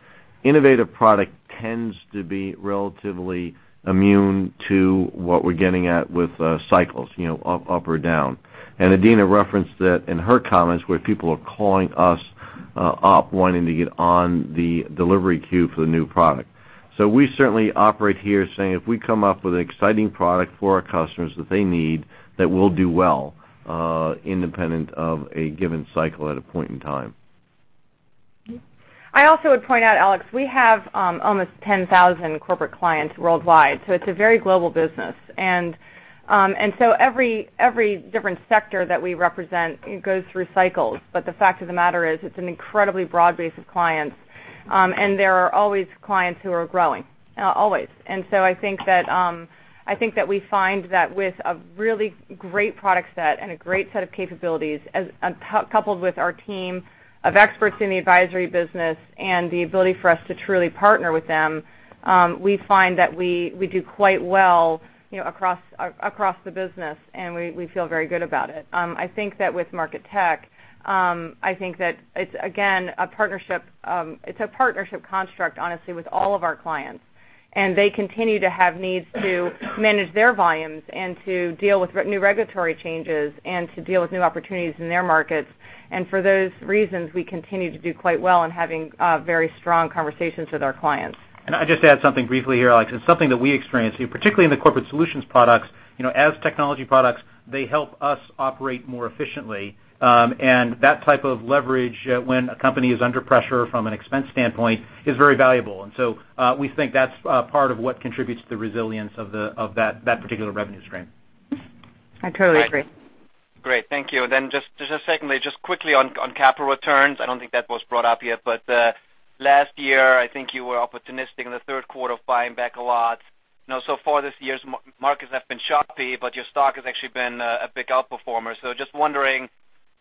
Innovative product tends to be relatively immune to what we're getting at with cycles, up or down. Adena referenced that in her comments, where people are calling us up wanting to get on the delivery queue for the new product. We certainly operate here saying, if we come up with an exciting product for our customers that they need, that we'll do well, independent of a given cycle at a point in time. I also would point out, Alex, we have almost 10,000 corporate clients worldwide, so it's a very global business. Every different sector that we represent goes through cycles. The fact of the matter is it's an incredibly broad base of clients. There are always clients who are growing, always. I think that we find that with a really great product set and a great set of capabilities, coupled with our team of experts in the advisory business and the ability for us to truly partner with them, we find that we do quite well across the business, and we feel very good about it. I think that with Market Tech, I think that it's, again, it's a partnership construct, honestly, with all of our clients. They continue to have needs to manage their volumes and to deal with new regulatory changes and to deal with new opportunities in their markets. For those reasons, we continue to do quite well in having very strong conversations with our clients. I'd just add something briefly here, Alex. It's something that we experience, particularly in the corporate solutions products. As technology products, they help us operate more efficiently. That type of leverage, when a company is under pressure from an expense standpoint, is very valuable. We think that's part of what contributes to the resilience of that particular revenue stream. I totally agree. Great. Thank you. Just secondly, just quickly on capital returns, I don't think that was brought up yet, last year, I think you were opportunistic in the third quarter of buying back a lot. So far this year, markets have been choppy, your stock has actually been a big outperformer. Just wondering,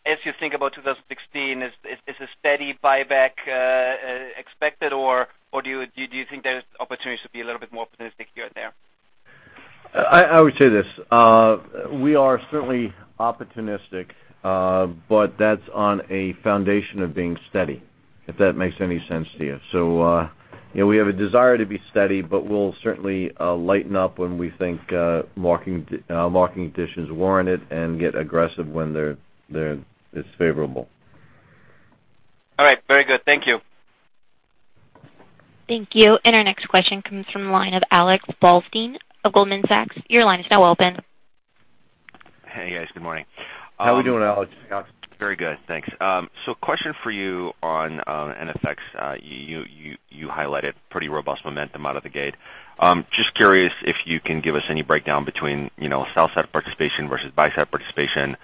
as you think about 2016, is a steady buyback expected, or do you think there's opportunities to be a little bit more opportunistic here and there? I would say this. We are certainly opportunistic, but that's on a foundation of being steady, if that makes any sense to you. We have a desire to be steady, but we'll certainly lighten up when we think marketing conditions warrant it and get aggressive when it's favorable. All right. Very good. Thank you. Thank you. Our next question comes from the line of Alex Blostein of Goldman Sachs. Your line is now open. Hey, guys. Good morning. How we doing, Alex? Very good, thanks. Question for you on NFX. You highlighted pretty robust momentum out of the gate. Just curious if you can give us any breakdown between sell-side participation versus buy-side participation,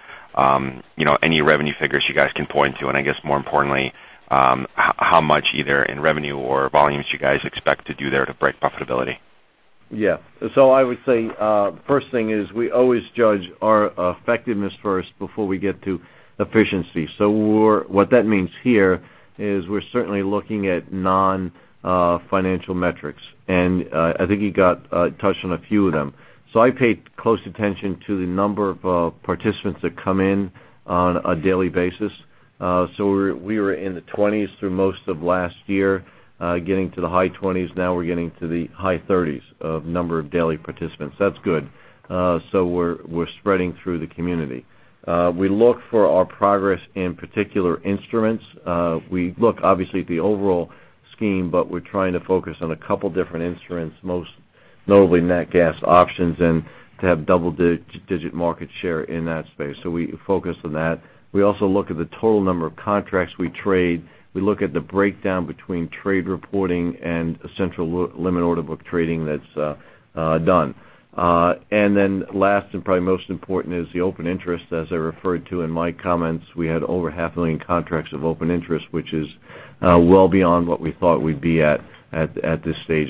any revenue figures you guys can point to, and I guess more importantly, how much either in revenue or volumes you guys expect to do there to break profitability? Yeah. I would say, first thing is we always judge our effectiveness first before we get to efficiency. What that means here is we're certainly looking at non-financial metrics. I think you touched on a few of them. I paid close attention to the number of participants that come in on a daily basis. We were in the 20s through most of last year, getting to the high 20s now. We're getting to the high 30s of number of daily participants. That's good. We're spreading through the community. We look for our progress in particular instruments. We look obviously at the overall scheme, but we're trying to focus on a couple different instruments, most notably nat gas options, and to have double-digit market share in that space. We focus on that. We also look at the total number of contracts we trade. We look at the breakdown between trade reporting and central limit order book trading that's done. Last, and probably most important is the open interest, as I referred to in my comments. We had over half a million contracts of open interest, which is well beyond what we thought we'd be at this stage.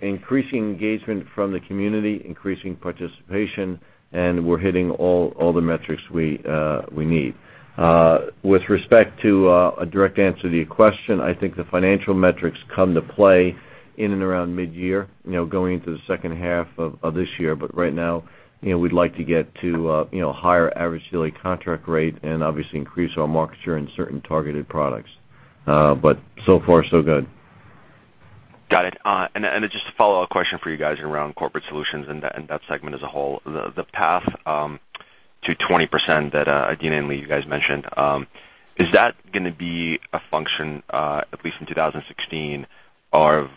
Increasing engagement from the community, increasing participation, and we're hitting all the metrics we need. With respect to a direct answer to your question, I think the financial metrics come to play in and around mid-year, going into the second half of this year. Right now, we'd like to get to higher average daily contract rate and obviously increase our market share in certain targeted products. So far, so good. Got it. Just a follow-up question for you guys around Corporate Solutions and that segment as a whole. The path to 20% that Adena and Lee, you guys mentioned, is that going to be a function, at least in 2016, of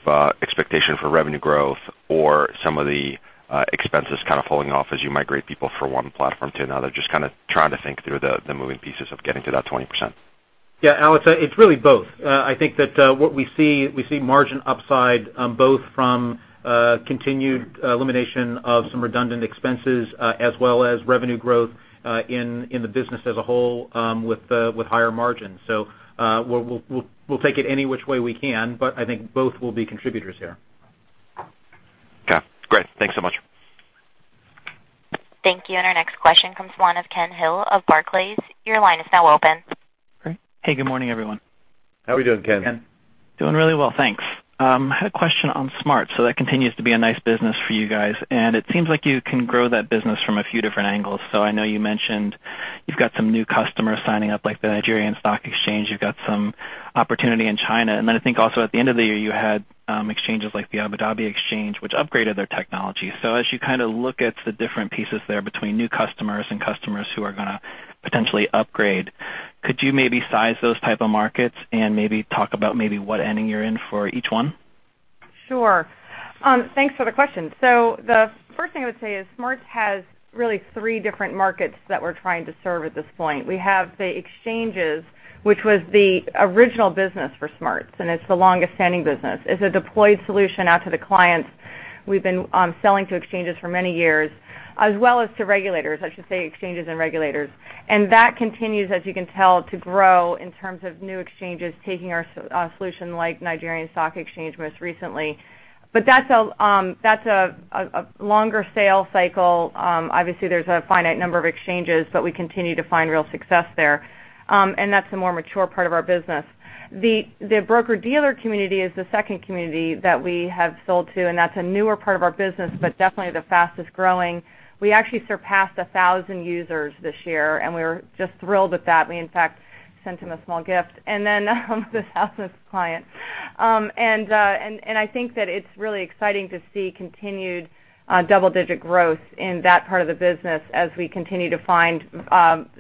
expectation for revenue growth or some of the expenses kind of falling off as you migrate people from one platform to another? Just kind of trying to think through the moving pieces of getting to that 20%. Alex, it's really both. I think that what we see, we see margin upside both from continued elimination of some redundant expenses as well as revenue growth in the business as a whole with higher margins. We'll take it any which way we can, but I think both will be contributors here. Great. Thanks so much. Thank you. Our next question comes to the line of Kenneth Hill of Barclays. Your line is now open. Great. Hey, good morning, everyone. How are we doing, Ken? Doing really well, thanks. I had a question on SMARTS. That continues to be a nice business for you guys, and it seems like you can grow that business from a few different angles. I know you mentioned you've got some new customers signing up, like the Nigerian Stock Exchange. You've got some opportunity in China. Then I think also at the end of the year, you had exchanges like the Abu Dhabi Exchange, which upgraded their technology. As you look at the different pieces there between new customers and customers who are going to potentially upgrade, could you maybe size those type of markets and maybe talk about maybe what inning you're in for each one? Thanks for the question. The first thing I would say is SMARTS has really three different markets that we're trying to serve at this point. We have the exchanges, which was the original business for SMARTS, and it's the longest-standing business. It's a deployed solution out to the clients. We've been selling to exchanges for many years, as well as to regulators, I should say, exchanges and regulators. That continues, as you can tell, to grow in terms of new exchanges taking our solution, like Nigerian Stock Exchange most recently. That's a longer sale cycle. Obviously, there's a finite number of exchanges, but we continue to find real success there. That's the more mature part of our business. The broker-dealer community is the second community that we have sold to, and that's a newer part of our business, but definitely the fastest-growing. We actually surpassed 1,000 users this year, and we're just thrilled with that. We, in fact, sent him a small gift. Then the thousands of clients. I think that it's really exciting to see continued double-digit growth in that part of the business as we continue to find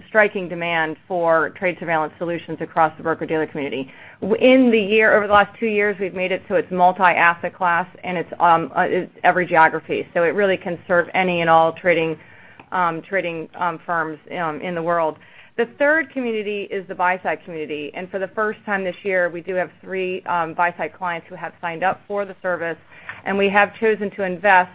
striking demand for trade surveillance solutions across the broker-dealer community. Over the last two years, we've made it so it's multi-asset class, and it's every geography. It really can serve any and all trading firms in the world. The third community is the buy-side community. For the first time this year, we do have three buy-side clients who have signed up for the service, and we have chosen to invest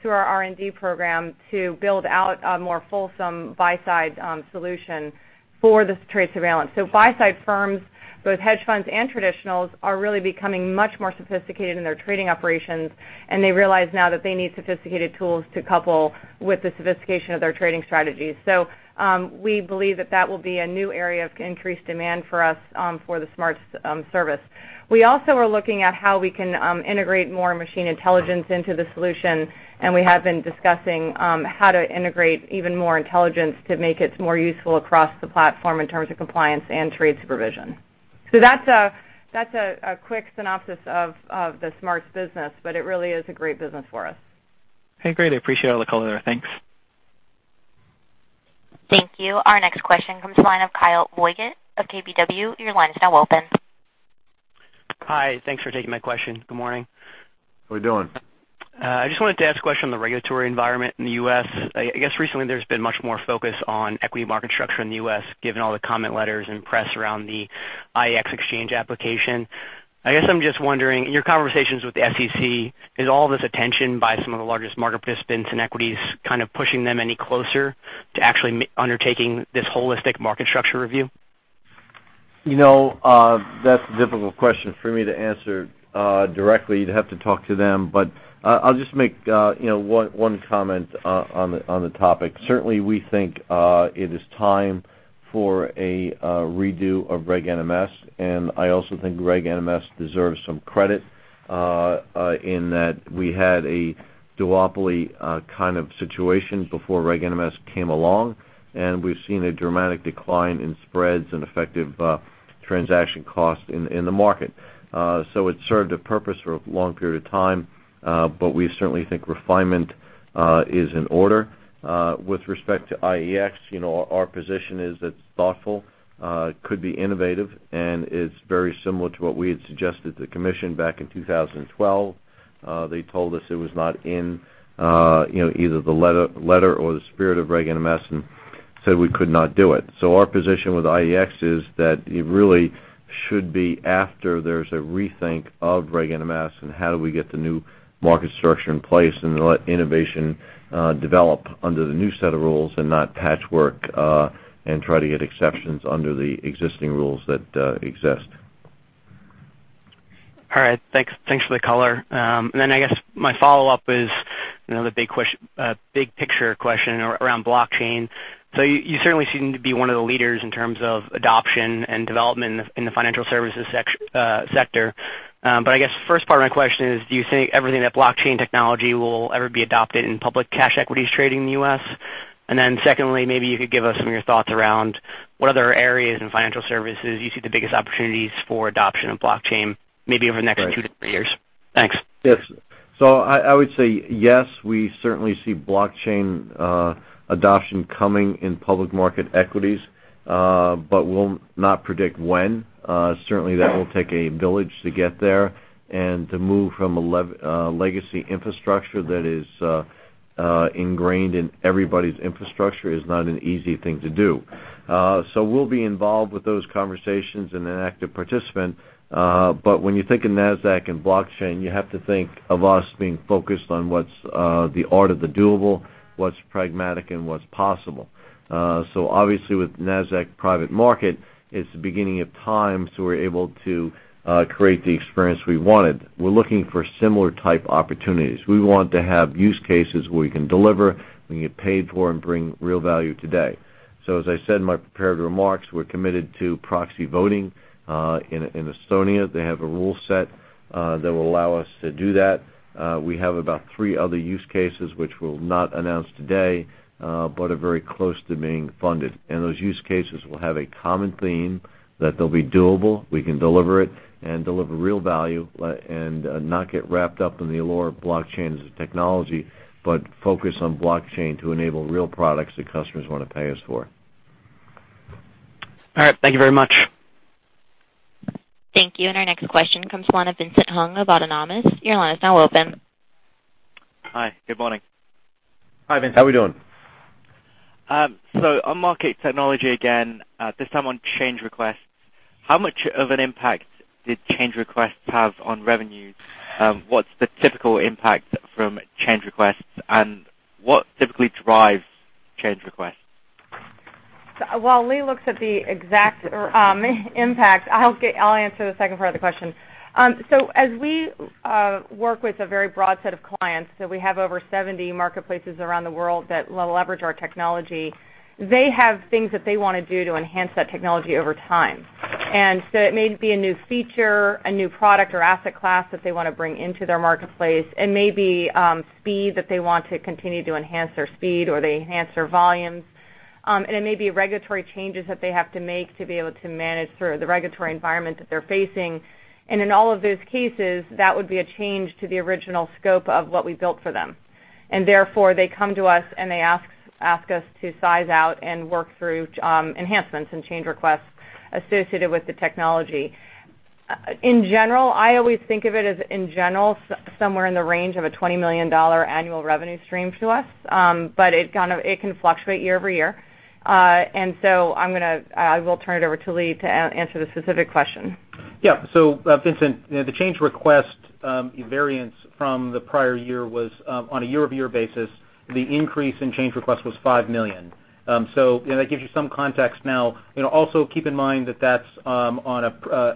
through our R&D program to build out a more fulsome buy-side solution for this trade surveillance. Buy-side firms, both hedge funds and traditionals, are really becoming much more sophisticated in their trading operations, and they realize now that they need sophisticated tools to couple with the sophistication of their trading strategies. We believe that that will be a new area of increased demand for us for the SMARTS service. We also are looking at how we can integrate more machine intelligence into the solution, and we have been discussing how to integrate even more intelligence to make it more useful across the platform in terms of compliance and trade supervision. That's a quick synopsis of the SMARTS business, but it really is a great business for us. Okay, great. I appreciate all the color. Thanks. Thank you. Our next question comes to the line of Kyle Voigt of KBW. Your line is now open. Hi, thanks for taking my question. Good morning. How we doing? I just wanted to ask a question on the regulatory environment in the U.S. Recently there's been much more focus on equity market structure in the U.S., given all the comment letters and press around the IEX exchange application. I'm just wondering, in your conversations with the SEC, is all this attention by some of the largest market participants in equities kind of pushing them any closer to actually undertaking this holistic market structure review? That's a difficult question for me to answer directly. You'd have to talk to them. I'll just make one comment on the topic. Certainly, we think it is time for a redo of Reg NMS, and I also think Reg NMS deserves some credit in that we had a duopoly kind of situation before Reg NMS came along, and we've seen a dramatic decline in spreads and effective transaction costs in the market. It served a purpose for a long period of time, but we certainly think refinement is in order. With respect to IEX, our position is it's thoughtful, could be innovative, and it's very similar to what we had suggested to the commission back in 2012. They told us it was not in either the letter or the spirit of Reg NMS and said we could not do it. Our position with IEX is that it really should be after there's a rethink of Reg NMS and how do we get the new market structure in place and let innovation develop under the new set of rules and not patchwork and try to get exceptions under the existing rules that exist. All right. Thanks for the color. I guess my follow-up is another big-picture question around blockchain. You certainly seem to be one of the leaders in terms of adoption and development in the financial services sector. I guess the first part of my question is, do you think everything that blockchain technology will ever be adopted in public cash equities trading in the U.S.? Secondly, maybe you could give us some of your thoughts around what other areas in financial services you see the biggest opportunities for adoption of blockchain, maybe over the next two to three years. Thanks. Yes. I would say yes, we certainly see blockchain adoption coming in public market equities, but we'll not predict when. Certainly that will take a village to get there and to move from a legacy infrastructure that is ingrained in everybody's infrastructure is not an easy thing to do. We'll be involved with those conversations and an active participant. When you think of Nasdaq and blockchain, you have to think of us being focused on what's the art of the doable, what's pragmatic and what's possible. Obviously with Nasdaq Private Market, it's the beginning of time, so we're able to create the experience we wanted. We're looking for similar type opportunities. We want to have use cases where we can deliver, we can get paid for and bring real value today. As I said in my prepared remarks, we're committed to proxy voting. In Estonia, they have a rule set that will allow us to do that. We have about three other use cases which we'll not announce today, but are very close to being funded. Those use cases will have a common theme that they'll be doable, we can deliver it and deliver real value, and not get wrapped up in the allure of blockchain as a technology, but focus on blockchain to enable real products that customers want to pay us for. All right. Thank you very much. Thank you. Our next question comes from the line of Vincent Hung of Autonomous. Your line is now open. Hi, good morning. Hi, Vincent. How are we doing? On market technology again, this time on change requests. How much of an impact did change requests have on revenue? What's the typical impact from change requests, and what typically drives change requests? While Lee looks at the exact impact, I'll answer the second part of the question. As we work with a very broad set of clients, we have over 70 marketplaces around the world that will leverage our technology. They have things that they want to do to enhance that technology over time. It may be a new feature, a new product or asset class that they want to bring into their marketplace. It may be speed, that they want to continue to enhance their speed or they enhance their volumes. It may be regulatory changes that they have to make to be able to manage through the regulatory environment that they're facing. In all of those cases, that would be a change to the original scope of what we built for them. Therefore, they come to us, and they ask us to size out and work through enhancements and change requests associated with the technology. In general, I always think of it as, in general, somewhere in the range of a $20 million annual revenue stream to us, but it can fluctuate year-over-year. So I will turn it over to Lee to answer the specific question. Vincent, the change request variance from the prior year was, on a year-over-year basis, the increase in change request was $5 million. That gives you some context now. Also keep in mind that's a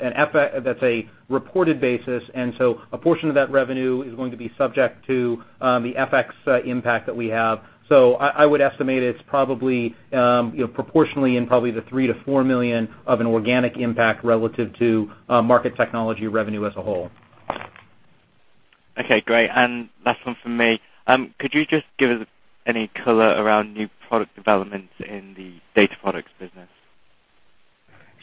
reported basis, so a portion of that revenue is going to be subject to the FX impact that we have. I would estimate it's probably proportionally in probably the $3 million to $4 million of an organic impact relative to market technology revenue as a whole. Okay, great. Last one from me. Could you just give us any color around new product developments in the data products business?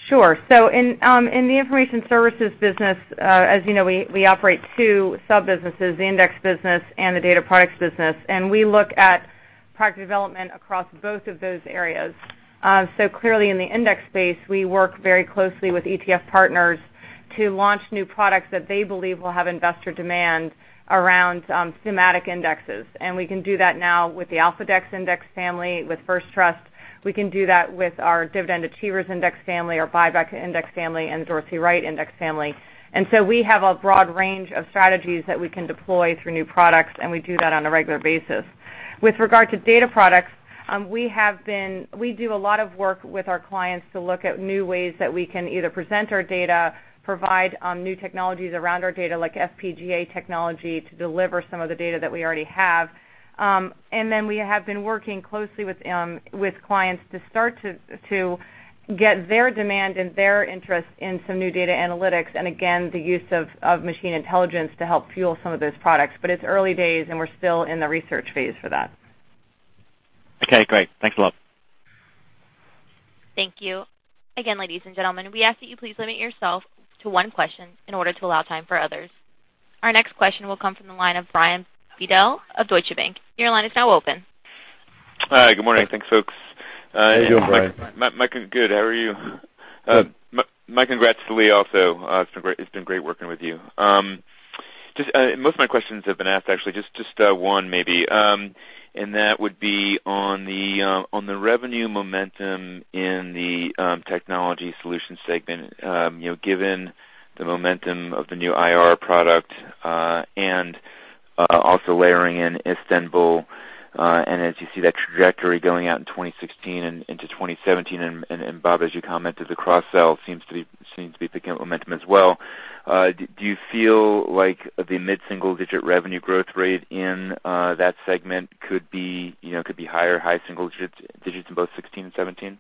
Sure. In the information services business, as you know, we operate two sub-businesses, the index business and the data products business, and we look at product development across both of those areas. Clearly in the index space, we work very closely with ETF partners to launch new products that they believe will have investor demand around thematic indexes. We can do that now with the AlphaDEX index family with First Trust. We can do that with our Dividend Achievers index family, our BuyBack index family, and Dorsey Wright index family. We have a broad range of strategies that we can deploy through new products, and we do that on a regular basis. With regard to data products, we do a lot of work with our clients to look at new ways that we can either present our data, provide new technologies around our data, like FPGA technology, to deliver some of the data that we already have. We have been working closely with clients to start to get their demand and their interest in some new data analytics, and again, the use of machine intelligence to help fuel some of those products. It's early days, and we're still in the research phase for that. Okay, great. Thanks a lot. Thank you. Again, ladies and gentlemen, we ask that you please limit yourself to one question in order to allow time for others. Our next question will come from the line of Brian Bedell of Deutsche Bank. Your line is now open. Hi, good morning. Thanks, folks. How are you doing, Brian? Good. How are you? My congrats to Lee also. It's been great working with you. Most of my questions have been asked, actually. Just one maybe, and that would be on the revenue momentum in the technology solutions segment. Given the momentum of the new IR product, and also layering in Istanbul, as you see that trajectory going out in 2016 and into 2017, and Bob, as you commented, the cross-sell seems to be picking up momentum as well. Do you feel like the mid-single-digit revenue growth rate in that segment could be higher, high single digits in both 2016 and 2017?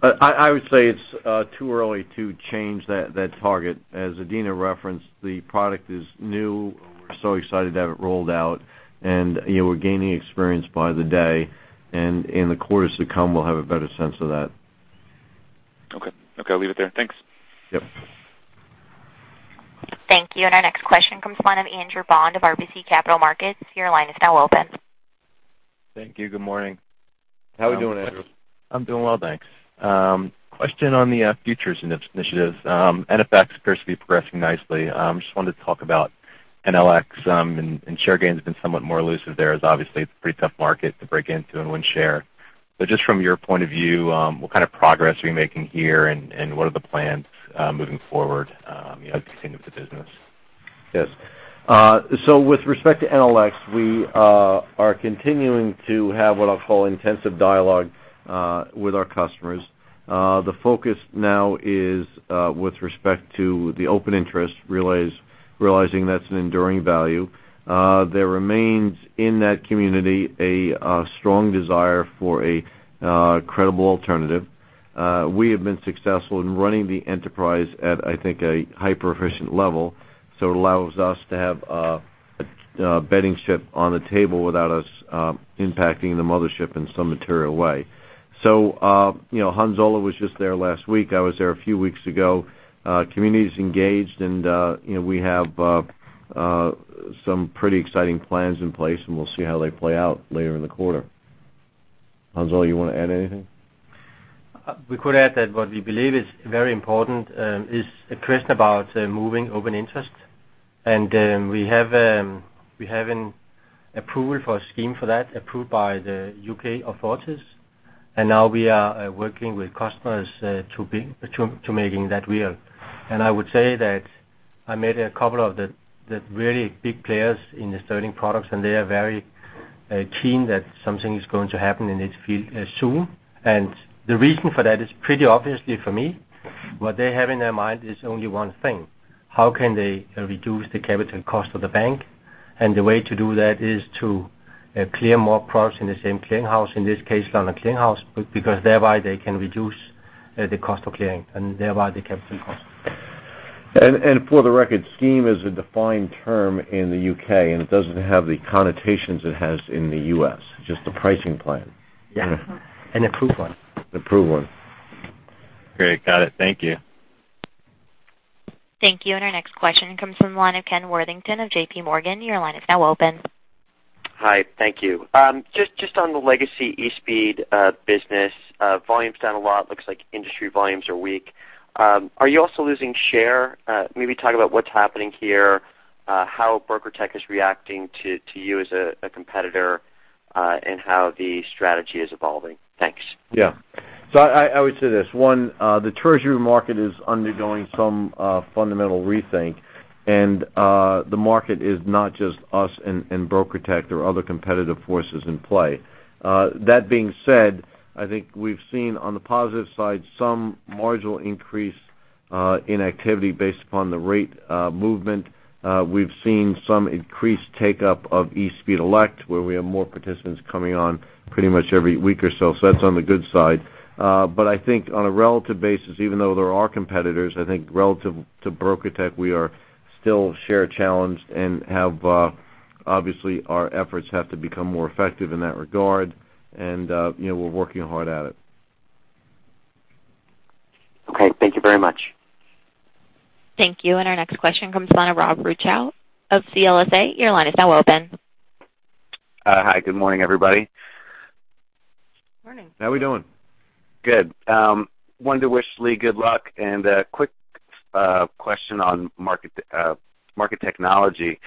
I would say it's too early to change that target. As Adena referenced, the product is new, and we're so excited to have it rolled out, and we're gaining experience by the day, and in the quarters to come, we'll have a better sense of that. Okay. I'll leave it there. Thanks. Yep. Thank you. Our next question comes from the line of Andrew Bond of RBC Capital Markets. Your line is now open. Thank you. Good morning. How are we doing, Andrew? I'm doing well, thanks. Question on the futures initiatives. NFX appears to be progressing nicely. Just wanted to talk about NLX, and share gain's been somewhat more elusive there as obviously it's a pretty tough market to break into and win share. Just from your point of view, what kind of progress are you making here and what are the plans moving forward to continue with the business? Yes. With respect to NLX, we are continuing to have what I'll call intensive dialogue with our customers. The focus now is with respect to the open interest, realizing that's an enduring value. There remains in that community a strong desire for a credible alternative. We have been successful in running the enterprise at, I think, a hyper-efficient level, so it allows us to have a betting ship on the table without us impacting the mothership in some material way. Hans-Ole Jochumsen was just there last week. I was there a few weeks ago. Community's engaged. We have some pretty exciting plans in place, and we'll see how they play out later in the quarter. Hans-Ole Jochumsen, you want to add anything? We could add that what we believe is very important is a question about moving open interest. We have an approval for a scheme for that approved by the U.K. authorities. Now we are working with customers to making that real. I would say that I met a couple of the really big players in the sterling products, and they are very keen that something is going to happen in this field soon. The reason for that is pretty obviously for me. What they have in their mind is only one thing, how can they reduce the capital cost of the bank? The way to do that is to clear more products in the same clearing house, in this case, London Clearing House, because thereby they can reduce the cost of clearing and thereby the capital cost. For the record, scheme is a defined term in the U.K., and it doesn't have the connotations it has in the U.S., just a pricing plan. Yeah. An approved one. Approved one. Great. Got it. Thank you. Thank you. Our next question comes from the line of Kenneth Worthington of J.P. Morgan. Your line is now open. Hi. Thank you. Just on the legacy eSpeed business. Volume's down a lot, looks like industry volumes are weak. Are you also losing share? Maybe talk about what's happening here, how BrokerTec is reacting to you as a competitor, and how the strategy is evolving. Thanks. Yeah. I would say this. One, the Treasury market is undergoing some fundamental rethink, and the market is not just us and BrokerTec. There are other competitive forces in play. That being said, I think we've seen on the positive side, some marginal increase in activity based upon the rate movement. We've seen some increased take-up of eSpeed Elect, where we have more participants coming on pretty much every week or so. That's on the good side. I think on a relative basis, even though there are competitors, I think relative to BrokerTec, we are still share challenged and obviously, our efforts have to become more effective in that regard. We're working hard at it. Okay. Thank you very much. Thank you. Our next question comes from the line of Rob Rouchou of CLSA. Your line is now open. Hi, good morning, everybody. Morning. How we doing? Good. Wanted to wish Lee good luck and a quick question on market technology.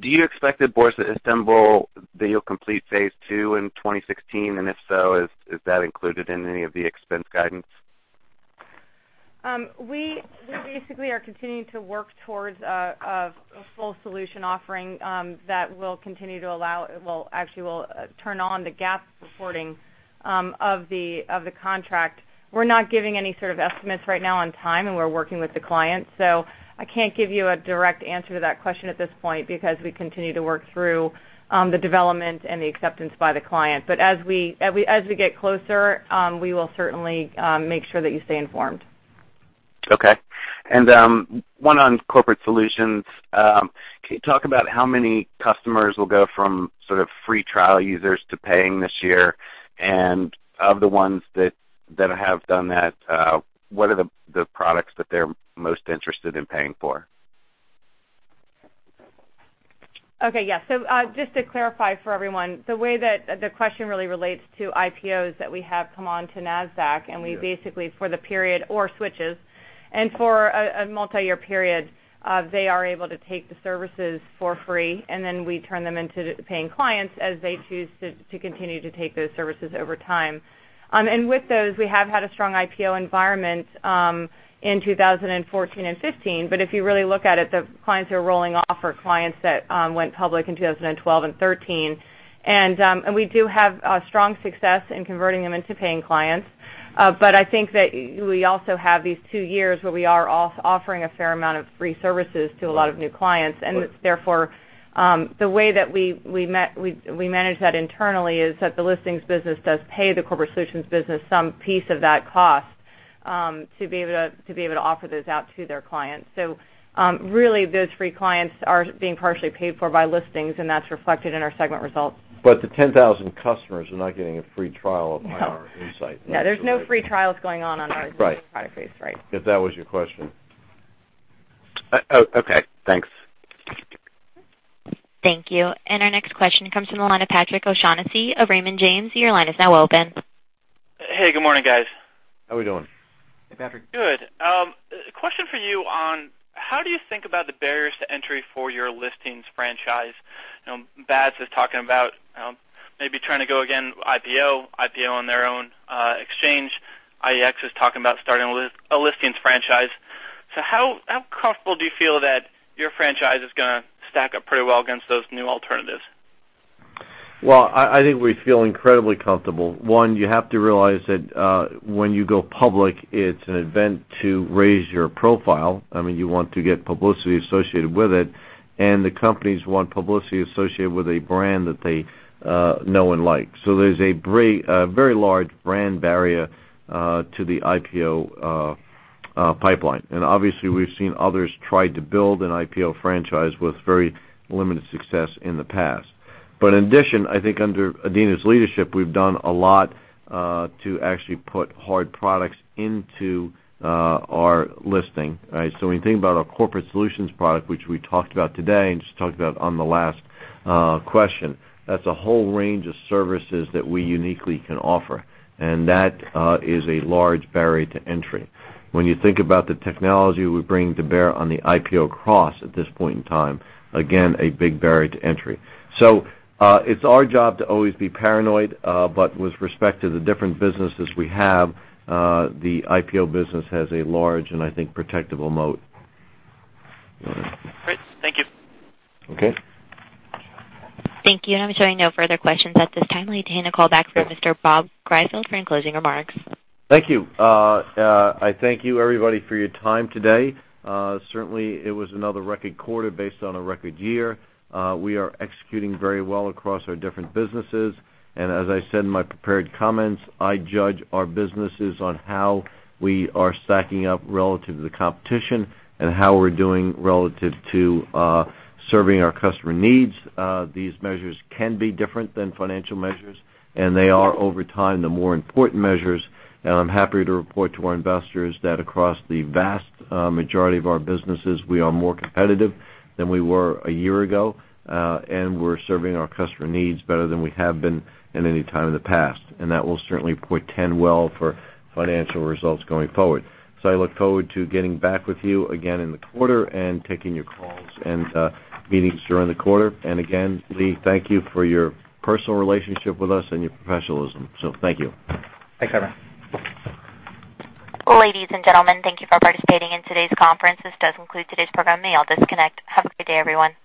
Do you expect that Borsa Istanbul, that you'll complete phase 2 in 2016? If so, is that included in any of the expense guidance? We basically are continuing to work towards a full solution offering that will continue to allow Well, actually we'll turn on the GAAP reporting of the contract. We're not giving any sort of estimates right now on time. We're working with the client. I can't give you a direct answer to that question at this point because we continue to work through the development and the acceptance by the client. As we get closer, we will certainly make sure that you stay informed. Okay. One on Corporate Solutions. Can you talk about how many customers will go from sort of free trial users to paying this year? Of the ones that have done that, what are the products that they're most interested in paying for? Okay, yeah. Just to clarify for everyone, the way that the question really relates to IPOs that we have come on to Nasdaq, and we basically for the period or switches, and for a multi-year period, they are able to take the services for free, and then we turn them into paying clients as they choose to continue to take those services over time. With those, we have had a strong IPO environment, in 2014 and 2015. If you really look at it, the clients who are rolling off are clients that went public in 2012 and 2013. We do have strong success in converting them into paying clients. I think that we also have these two years where we are offering a fair amount of free services to a lot of new clients, and it's therefore, the way that we manage that internally is that the listings business does pay the Corporate Solutions business some piece of that cost to be able to offer those out to their clients. Really, those free clients are being partially paid for by listings, and that's reflected in our segment results. The 10,000 customers are not getting a free trial. No of IR Insight. No, there's no free trials going on on our- Right product base. Right. If that was your question? Okay, thanks. Thank you. Our next question comes from the line of Patrick O'Shaughnessy of Raymond James. Your line is now open. Hey, good morning, guys. How we doing? Hey, Patrick. Good. Question for you on how do you think about the barriers to entry for your listings franchise? BATS is talking about maybe trying to go again IPO on their own exchange. IEX is talking about starting a listings franchise. How comfortable do you feel that your franchise is going to stack up pretty well against those new alternatives? Well, I think we feel incredibly comfortable. One, you have to realize that when you go public, it's an event to raise your profile. You want to get publicity associated with it, and the companies want publicity associated with a brand that they know and like. There's a very large brand barrier to the IPO pipeline. Obviously, we've seen others try to build an IPO franchise with very limited success in the past. In addition, I think under Adena's leadership, we've done a lot to actually put hard products into our listing. When you think about our corporate solutions product, which we talked about today and just talked about on the last question, that's a whole range of services that we uniquely can offer, and that is a large barrier to entry. When you think about the technology we bring to bear on the IPO cross at this point in time, again, a big barrier to entry. It's our job to always be paranoid, but with respect to the different businesses we have, the IPO business has a large and I think protectable moat. Great. Thank you. Okay. Thank you. I'm showing no further questions at this time. Let me hand the call back to Mr. Robert Greifeld for any closing remarks. Thank you. I thank you everybody for your time today. Certainly, it was another record quarter based on a record year. We are executing very well across our different businesses. As I said in my prepared comments, I judge our businesses on how we are stacking up relative to the competition and how we're doing relative to serving our customer needs. These measures can be different than financial measures, and they are over time, the more important measures. I'm happy to report to our investors that across the vast majority of our businesses, we are more competitive than we were a year ago, and we're serving our customer needs better than we have been at any time in the past, and that will certainly portend well for financial results going forward. I look forward to getting back with you again in the quarter and taking your calls and meetings during the quarter. Again, Lee, thank you for your personal relationship with us and your professionalism. Thank you. Thanks, everyone. Ladies and gentlemen, thank you for participating in today's conference. This does conclude today's program. You may all disconnect. Have a great day, everyone.